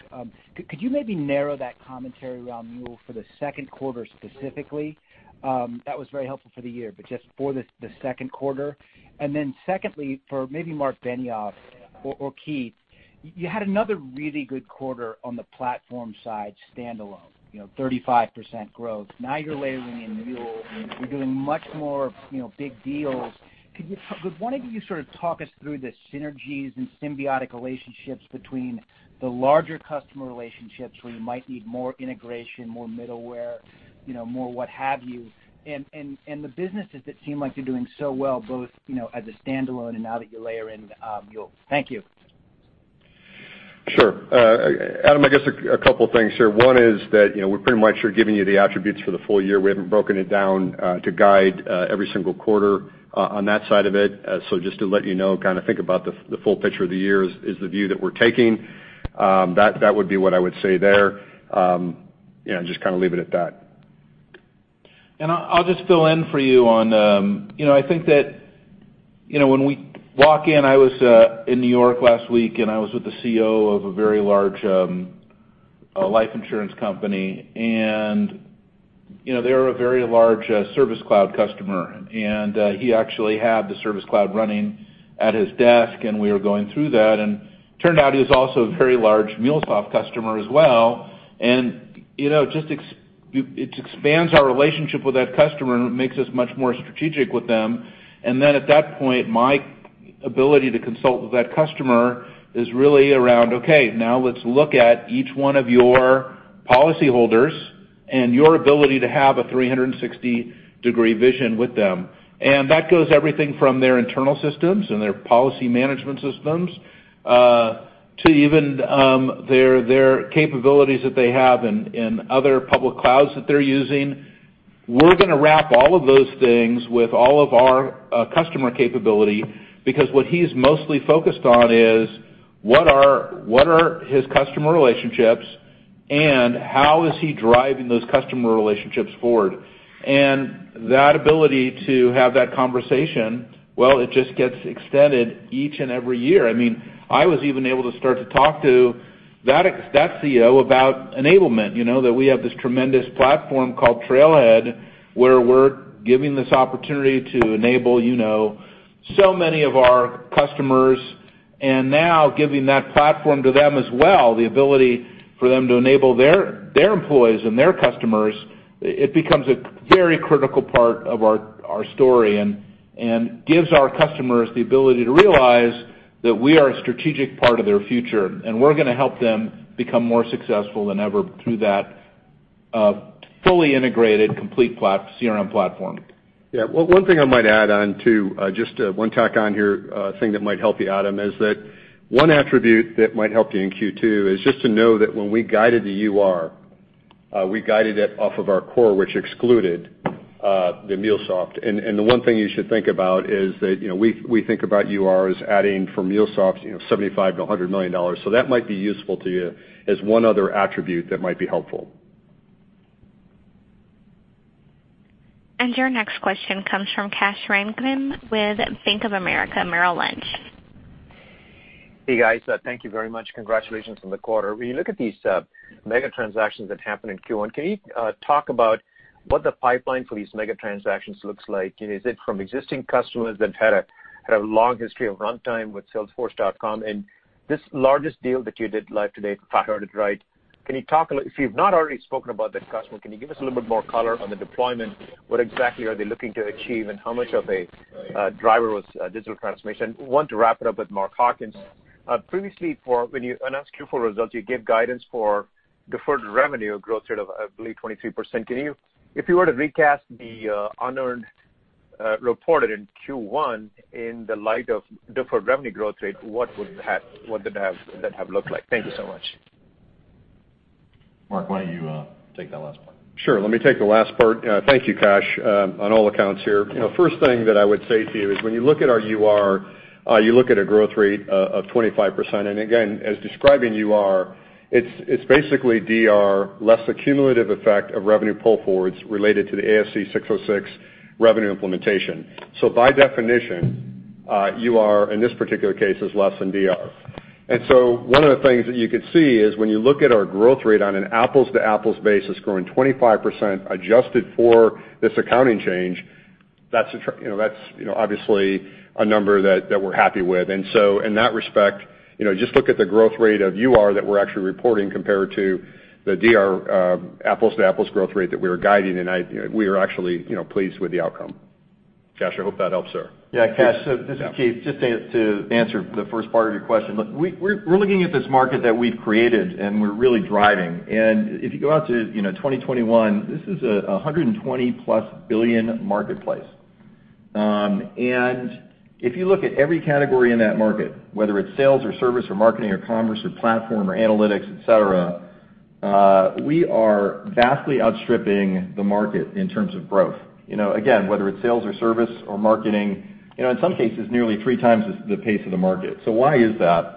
Could you maybe narrow that commentary around Mule for the second quarter specifically? That was very helpful for the year, but just for the second quarter. Secondly, for maybe Marc Benioff or Keith, you had another really good quarter on the platform side standalone, 35% growth. Now you're layering in Mule. You're doing much more big deals. Could one of you sort of talk us through the synergies and symbiotic relationships between the larger customer relationships where you might need more integration, more middleware, more what have you, and the businesses that seem like they're doing so well, both as a standalone and now that you layer in Mule? Thank you. Sure. Adam, I guess two things here. One is that we're pretty much giving you the attributes for the full year. We haven't broken it down to guide every single quarter on that side of it. Just to let you know, think about the full picture of the year is the view that we're taking. That would be what I would say there. Just leave it at that. I'll just fill in for you on, I think that when we walk in, I was in N.Y. last week, and I was with the CEO of a very large life insurance company, and they're a very large Service Cloud customer. He actually had the Service Cloud running at his desk, and we were going through that, and it turned out he was also a very large MuleSoft customer as well. It expands our relationship with that customer and makes us much more strategic with them. At that point, my ability to consult with that customer is really around, okay, now let's look at each one of your policy holders and your ability to have a 360-degree vision with them. That goes everything from their internal systems and their policy management systems, to even their capabilities that they have in other public clouds that they're using. We're going to wrap all of those things with all of our customer capability because what he's mostly focused on is, what are his customer relationships, and how is he driving those customer relationships forward? That ability to have that conversation, well, it just gets extended each and every year. I was even able to start to talk to that CEO about enablement. That we have this tremendous platform called Trailhead, where we're giving this opportunity to enable so many of our customers, and now giving that platform to them as well, the ability for them to enable their employees and their customers. It becomes a very critical part of our story. It gives our customers the ability to realize that we are a strategic part of their future. We're going to help them become more successful than ever through that fully integrated complete CRM platform. Yeah. One thing I might add on, too, just one tack on here, a thing that might help you, Adam, is that one attribute that might help you in Q2 is just to know that when we guided the UR, we guided it off of our core, which excluded the MuleSoft. The one thing you should think about is that we think about UR as adding for MuleSoft, $75 million-$100 million. That might be useful to you as one other attribute that might be helpful. Your next question comes from Kash Rangan with Bank of America Merrill Lynch. Hey, guys. Thank you very much. Congratulations on the quarter. When you look at these mega transactions that happened in Q1, can you talk about what the pipeline for these mega transactions looks like? Is it from existing customers that had a long history of runtime with salesforce.com? This largest deal that you did live today, if I heard it right, if you've not already spoken about that customer, can you give us a little bit more color on the deployment? What exactly are they looking to achieve, and how much of a driver was digital transformation? Want to wrap it up with Mark Hawkins. Previously, when you announced Q4 results, you gave guidance for deferred revenue growth rate of, I believe, 23%. If you were to recast the unearned reported in Q1 in the light of deferred revenue growth rate, what did that have looked like? Thank you so much. Mark, why don't you take that last part? Sure. Let me take the last part. Thank you, Kash, on all accounts here. First thing that I would say to you is when you look at our UR, you look at a growth rate of 25%. Again, as describing UR, it's basically DR, less accumulative effect of revenue pull forwards related to the ASC 606 revenue implementation. By definition, UR, in this particular case, is less than DR. One of the things that you could see is when you look at our growth rate on an apples-to-apples basis growing 25%, adjusted for this accounting change, that's obviously a number that we're happy with. In that respect, just look at the growth rate of UR that we're actually reporting compared to the DR apples-to-apples growth rate that we were guiding, and we are actually pleased with the outcome. Kash, I hope that helps, sir. Kash, this is Keith. Just to answer the first part of your question. Look, we're looking at this market that we've created, and we're really driving. If you go out to 2021, this is a $120-plus billion marketplace. If you look at every category in that market, whether it's sales or service or marketing or commerce or platform or analytics, et cetera, we are vastly outstripping the market in terms of growth. Again, whether it's sales or service or marketing. In some cases, nearly 3 times the pace of the market. Why is that?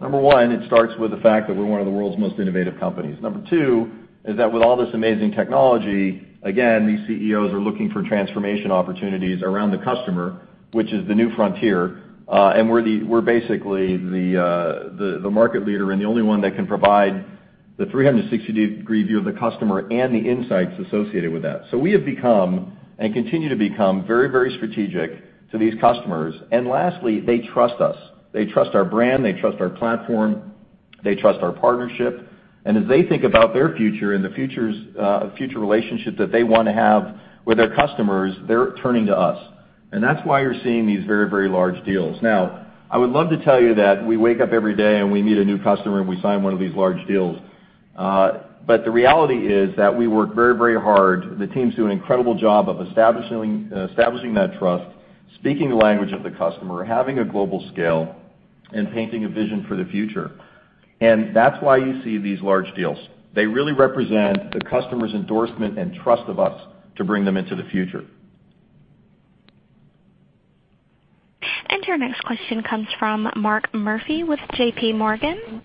Number one, it starts with the fact that we're one of the world's most innovative companies. Number two is that with all this amazing technology, again, these CEOs are looking for transformation opportunities around the customer, which is the new frontier. We're basically the market leader and the only one that can provide the 360-degree view of the customer and the insights associated with that. We have become, and continue to become, very, very strategic to these customers. Lastly, they trust us. They trust our brand, they trust our platform, they trust our partnership. As they think about their future and the future relationship that they want to have with their customers, they're turning to us. That's why you're seeing these very, very large deals. Now, I would love to tell you that we wake up every day and we meet a new customer, and we sign one of these large deals. The reality is that we work very, very hard. The teams do an incredible job of establishing that trust Speaking the language of the customer, having a global scale, and painting a vision for the future. That's why you see these large deals. They really represent the customer's endorsement and trust of us to bring them into the future. Your next question comes from Mark Murphy with JPMorgan.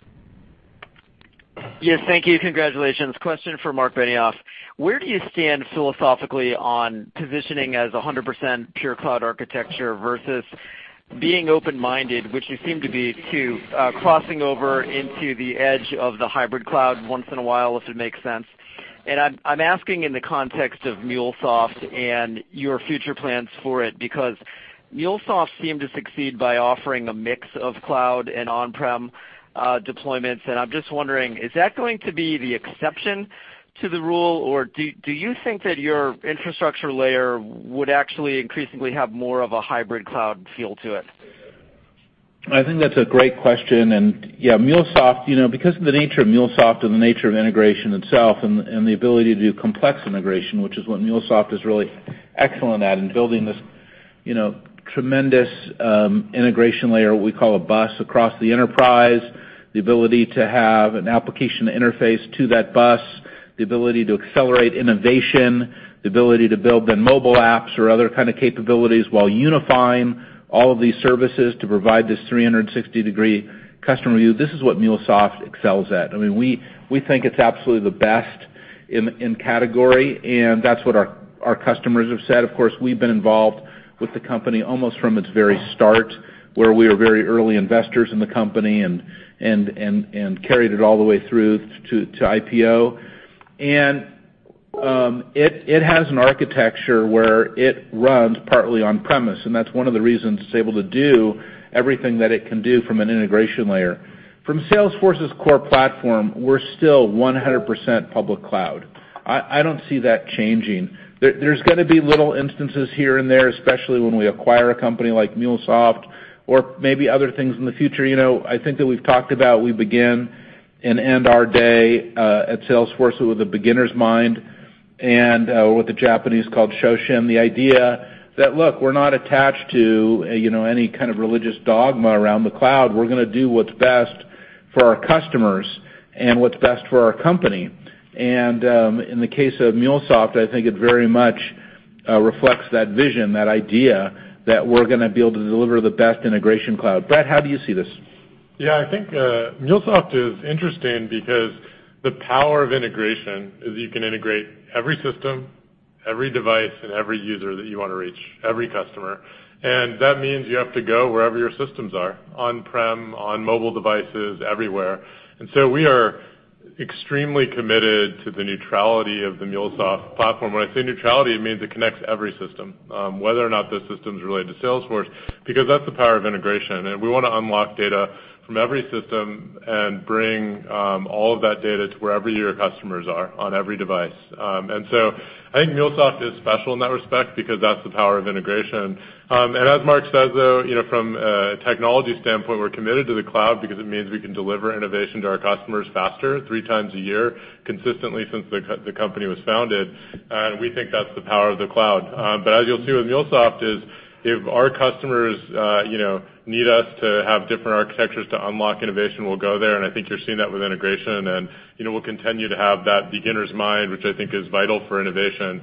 Yes. Thank you. Congratulations. Question for Marc Benioff. Where do you stand philosophically on positioning as 100% pure cloud architecture versus being open-minded, which you seem to be, to crossing over into the edge of the hybrid cloud once in a while, if it makes sense? I'm asking in the context of MuleSoft and your future plans for it, because MuleSoft seemed to succeed by offering a mix of cloud and on-prem deployments. I'm just wondering, is that going to be the exception to the rule, or do you think that your infrastructure layer would actually increasingly have more of a hybrid cloud feel to it? I think that's a great question. Yeah, MuleSoft, because of the nature of MuleSoft and the nature of integration itself and the ability to do complex integration, which is what MuleSoft is really excellent at in building this tremendous integration layer, what we call a bus across the enterprise, the ability to have an application interface to that bus, the ability to accelerate innovation, the ability to build the mobile apps or other kind of capabilities while unifying all of these services to provide this 360-degree customer view. This is what MuleSoft excels at. We think it's absolutely the best in category, and that's what our customers have said. Of course, we've been involved with the company almost from its very start, where we were very early investors in the company and carried it all the way through to IPO. It has an architecture where it runs partly on-premise, and that's one of the reasons it's able to do everything that it can do from an integration layer. From Salesforce's core platform, we're still 100% public cloud. I don't see that changing. There's going to be little instances here and there, especially when we acquire a company like MuleSoft or maybe other things in the future. I think that we've talked about, we begin and end our day at Salesforce with a beginner's mind and what the Japanese called Shoshin. The idea that, look, we're not attached to any kind of religious dogma around the cloud. We're going to do what's best for our customers and what's best for our company. In the case of MuleSoft, I think it very much reflects that vision, that idea that we're going to be able to deliver the best integration cloud. Bret, how do you see this? I think MuleSoft is interesting because the power of integration is you can integrate every system, every device, and every user that you want to reach, every customer. That means you have to go wherever your systems are, on-prem, on mobile devices, everywhere. So we are extremely committed to the neutrality of the MuleSoft platform. When I say neutrality, it means it connects every system, whether or not the system is related to Salesforce, because that's the power of integration, and we want to unlock data from every system and bring all of that data to wherever your customers are on every device. So I think MuleSoft is special in that respect because that's the power of integration. As Mark says, though, from a technology standpoint, we're committed to the cloud because it means we can deliver innovation to our customers faster, three times a year, consistently since the company was founded, we think that's the power of the cloud. As you'll see with MuleSoft is, if our customers need us to have different architectures to unlock innovation, we'll go there, I think you're seeing that with integration, we'll continue to have that beginner's mind, which I think is vital for innovation.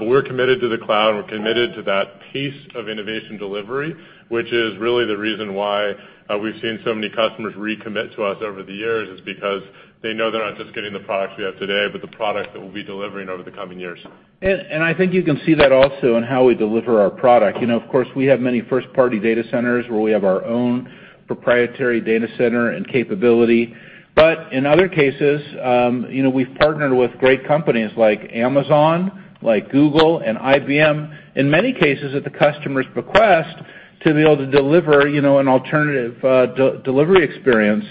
We're committed to the cloud, we're committed to that pace of innovation delivery, which is really the reason why we've seen so many customers recommit to us over the years, is because they know they're not just getting the products we have today, but the product that we'll be delivering over the coming years. I think you can see that also in how we deliver our product. Of course, we have many first-party data centers where we have our own proprietary data center and capability. In other cases, we've partnered with great companies like Amazon, like Google, and IBM, in many cases at the customer's request, to be able to deliver an alternative delivery experience.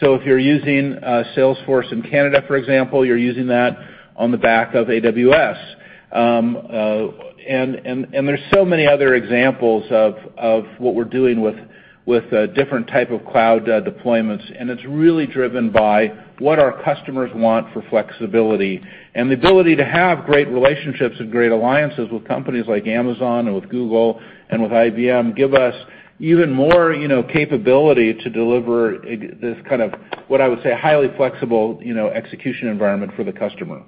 If you're using Salesforce in Canada, for example, you're using that on the back of AWS. There's so many other examples of what we're doing with different type of cloud deployments, and it's really driven by what our customers want for flexibility. The ability to have great relationships and great alliances with companies like Amazon or with Google and with IBM give us even more capability to deliver this kind of, what I would say, highly flexible execution environment for the customer.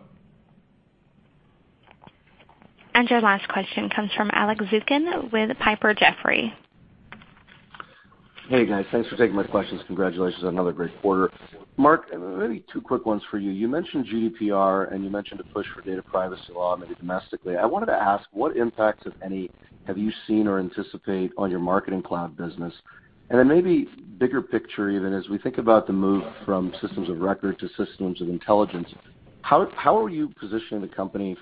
Your last question comes from Alex Zukin with Piper Jaffray. Hey, guys. Thanks for taking my questions. Congratulations on another great quarter. Mark, maybe two quick ones for you. You mentioned GDPR, and you mentioned a push for data privacy law, maybe domestically. I wanted to ask, what impacts, if any, have you seen or anticipate on your Marketing Cloud business? Then maybe bigger picture even, as we think about the move from systems of record to systems of intelligence, how are you positioning the company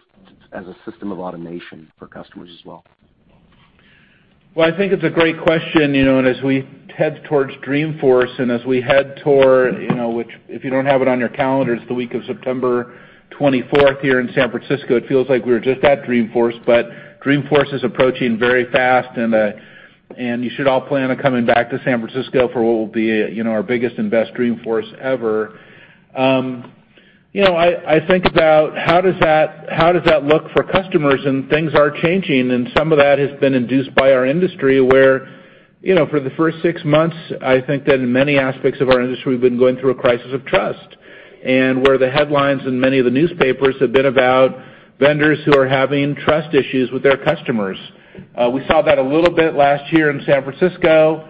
as a system of automation for customers as well? Well, I think it's a great question. As we head towards Dreamforce, as we head toward, which if you don't have it on your calendar, it's the week of September 24th here in San Francisco. It feels like we were just at Dreamforce is approaching very fast. You should all plan on coming back to San Francisco for what will be our biggest and best Dreamforce ever. I think about how does that look for customers, things are changing, some of that has been induced by our industry, where, for the first six months, I think that in many aspects of our industry, we've been going through a crisis of trust. The headlines in many of the newspapers have been about vendors who are having trust issues with their customers. We saw that a little bit last year in San Francisco.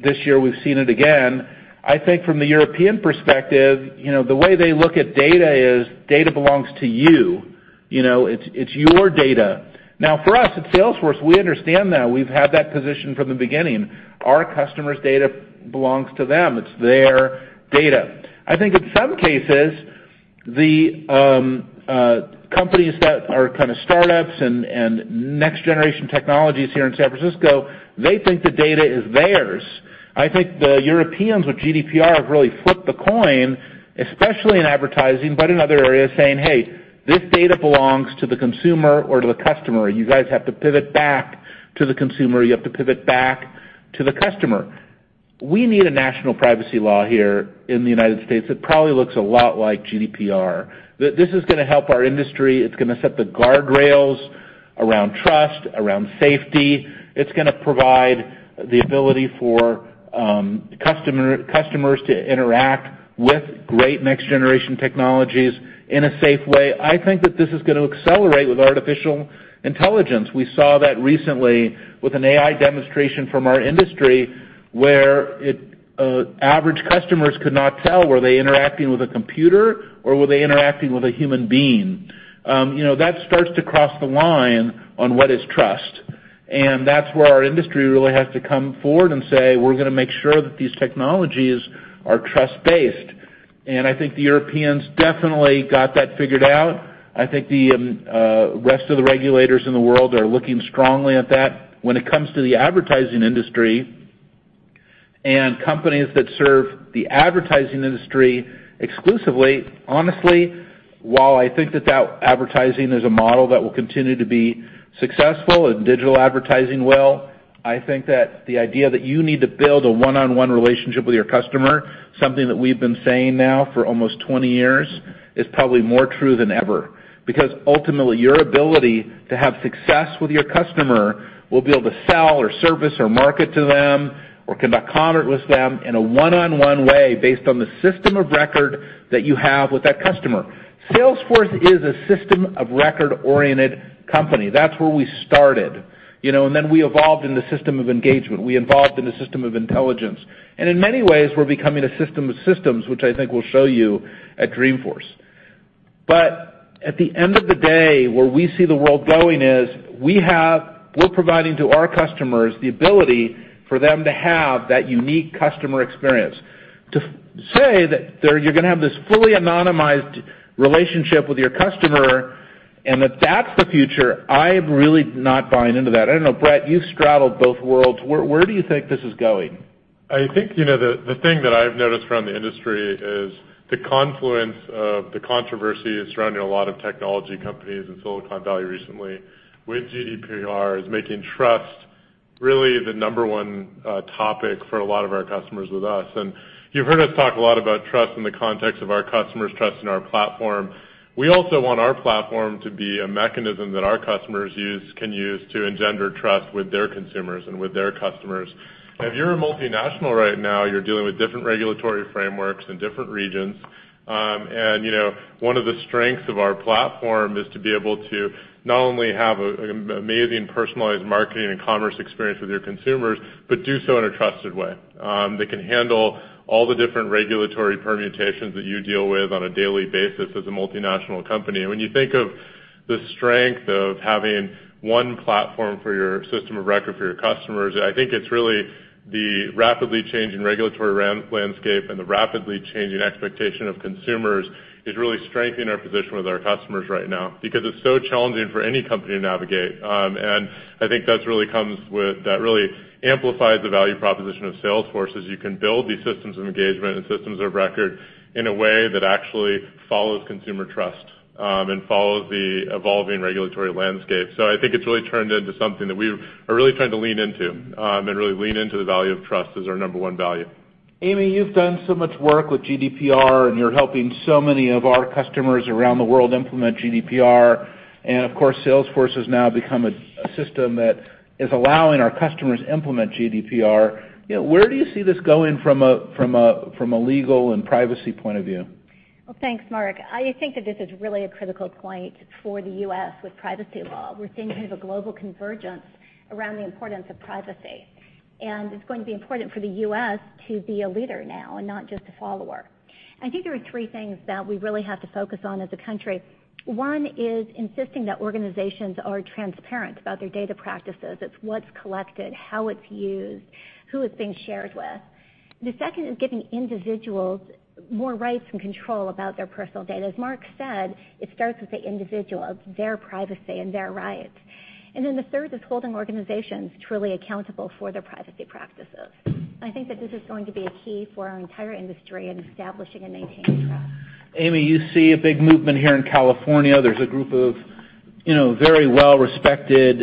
This year, we've seen it again. I think from the European perspective, the way they look at data is data belongs to you. It's your data. Now, for us at Salesforce, we understand that. We've had that position from the beginning. Our customer's data belongs to them. It's their data. I think in some cases, the companies that are startups and next-generation technologies here in San Francisco, they think the data is theirs. I think the Europeans with GDPR have really flipped the coin, especially in advertising, but in other areas saying, "Hey, this data belongs to the consumer or to the customer. You guys have to pivot back to the consumer. You have to pivot back to the customer." We need a national privacy law here in the United States that probably looks a lot like GDPR. This is going to help our industry. It's going to set the guardrails around trust, around safety. It's going to provide the ability for customers to interact with great next-generation technologies in a safe way. I think that this is going to accelerate with artificial intelligence. We saw that recently with an AI demonstration from our industry, where average customers could not tell were they interacting with a computer or were they interacting with a human being. That starts to cross the line on what is trust. That's where our industry really has to come forward and say, "We're going to make sure that these technologies are trust-based." I think the Europeans definitely got that figured out. I think the rest of the regulators in the world are looking strongly at that. When it comes to the advertising industry and companies that serve the advertising industry exclusively, honestly, while I think that that advertising is a model that will continue to be successful and digital advertising well, I think that the idea that you need to build a one-on-one relationship with your customer, something that we've been saying now for almost 20 years, is probably more true than ever. Because ultimately, your ability to have success with your customer will be able to sell or service or market to them or conduct commerce with them in a one-on-one way based on the system of record that you have with that customer. Salesforce is a system of record-oriented company. That's where we started. Then we evolved in the system of engagement. We evolved in the system of intelligence. In many ways, we're becoming a system of systems, which I think we'll show you at Dreamforce. At the end of the day, where we see the world going is, we're providing to our customers the ability for them to have that unique customer experience. To say that you're going to have this fully anonymized relationship with your customer and that that's the future, I'm really not buying into that. I don't know, Bret, you've straddled both worlds. Where do you think this is going? I think the thing that I've noticed from the industry is the confluence of the controversy surrounding a lot of technology companies in Silicon Valley recently with GDPR is making trust really the number 1 topic for a lot of our customers with us. You've heard us talk a lot about trust in the context of our customers trusting our platform. We also want our platform to be a mechanism that our customers can use to engender trust with their consumers and with their customers. If you're a multinational right now, you're dealing with different regulatory frameworks in different regions. One of the strengths of our platform is to be able to not only have an amazing personalized marketing and commerce experience with your consumers, but do so in a trusted way. That can handle all the different regulatory permutations that you deal with on a daily basis as a multinational company. When you think of the strength of having one platform for your system of record for your customers, I think it's really the rapidly changing regulatory landscape and the rapidly changing expectation of consumers is really strengthening our position with our customers right now, because it's so challenging for any company to navigate. I think that really amplifies the value proposition of Salesforce as you can build these systems of engagement and systems of record in a way that actually follows consumer trust, and follows the evolving regulatory landscape. I think it's really turned into something that we are really trying to lean into, and really lean into the value of trust as our number 1 value. Amy, you've done so much work with GDPR, you're helping so many of our customers around the world implement GDPR. Of course, Salesforce has now become a system that is allowing our customers to implement GDPR. Where do you see this going from a legal and privacy point of view? Well, thanks, Mark. I think that this is really a critical point for the U.S. with privacy law. We're seeing kind of a global convergence around the importance of privacy, it's going to be important for the U.S. to be a leader now and not just a follower. I think there are three things that we really have to focus on as a country. One is insisting that organizations are transparent about their data practices. It's what's collected, how it's used, who it's being shared with. The second is giving individuals more rights and control about their personal data. As Mark said, it starts with the individual. It's their privacy and their rights. The third is holding organizations truly accountable for their privacy practices. I think that this is going to be a key for our entire industry in establishing and maintaining trust. Amy, you see a big movement here in California. There's a group of very well-respected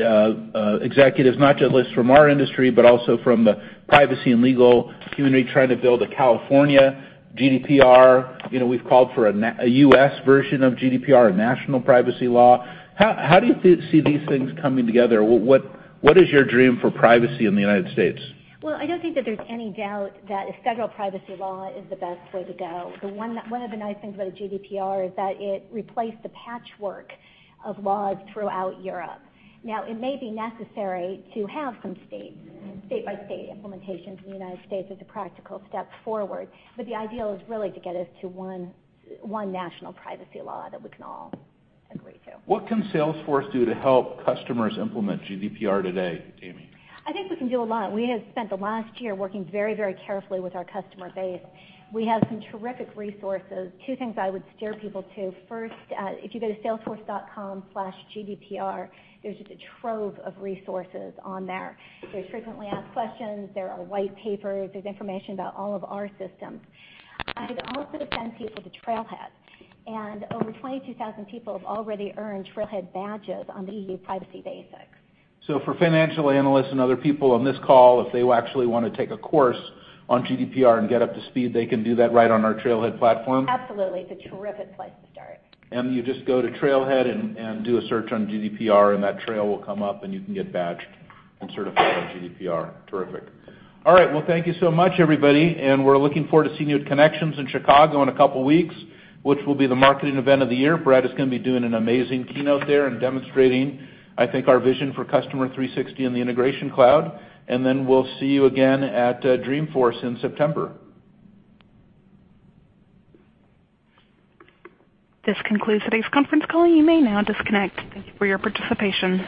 executives, not just from our industry, but also from the privacy and legal community, trying to build a California GDPR. We've called for a U.S. version of GDPR, a national privacy law. How do you see these things coming together? What is your dream for privacy in the United States? Well, I don't think that there's any doubt that a federal privacy law is the best way to go. One of the nice things about GDPR is that it replaced the patchwork of laws throughout Europe. Now, it may be necessary to have some state-by-state implementations in the United States as a practical step forward. The ideal is really to get us to one national privacy law that we can all agree to. What can Salesforce do to help customers implement GDPR today, Amy? I think we can do a lot. We have spent the last year working very carefully with our customer base. We have some terrific resources. Two things I would steer people to. First, if you go to salesforce.com/gdpr, there is just a trove of resources on there. There is frequently asked questions, there are white papers, there is information about all of our systems. I would also send people to Trailhead, and over 22,000 people have already earned Trailhead badges on the EU privacy basics. For financial analysts and other people on this call, if they actually want to take a course on GDPR and get up to speed, they can do that right on our Trailhead platform? Absolutely. It is a terrific place to start. You just go to Trailhead and do a search on GDPR, and that trail will come up, and you can get badged and certified on GDPR. Terrific. All right. Well, thank you so much, everybody, and we are looking forward to seeing you at Connections in Chicago in a couple of weeks, which will be the marketing event of the year. Bret is going to be doing an amazing keynote there and demonstrating, I think, our vision for Customer 360 and the Integration Cloud. We will see you again at Dreamforce in September. This concludes today's conference call. You may now disconnect. Thank you for your participation.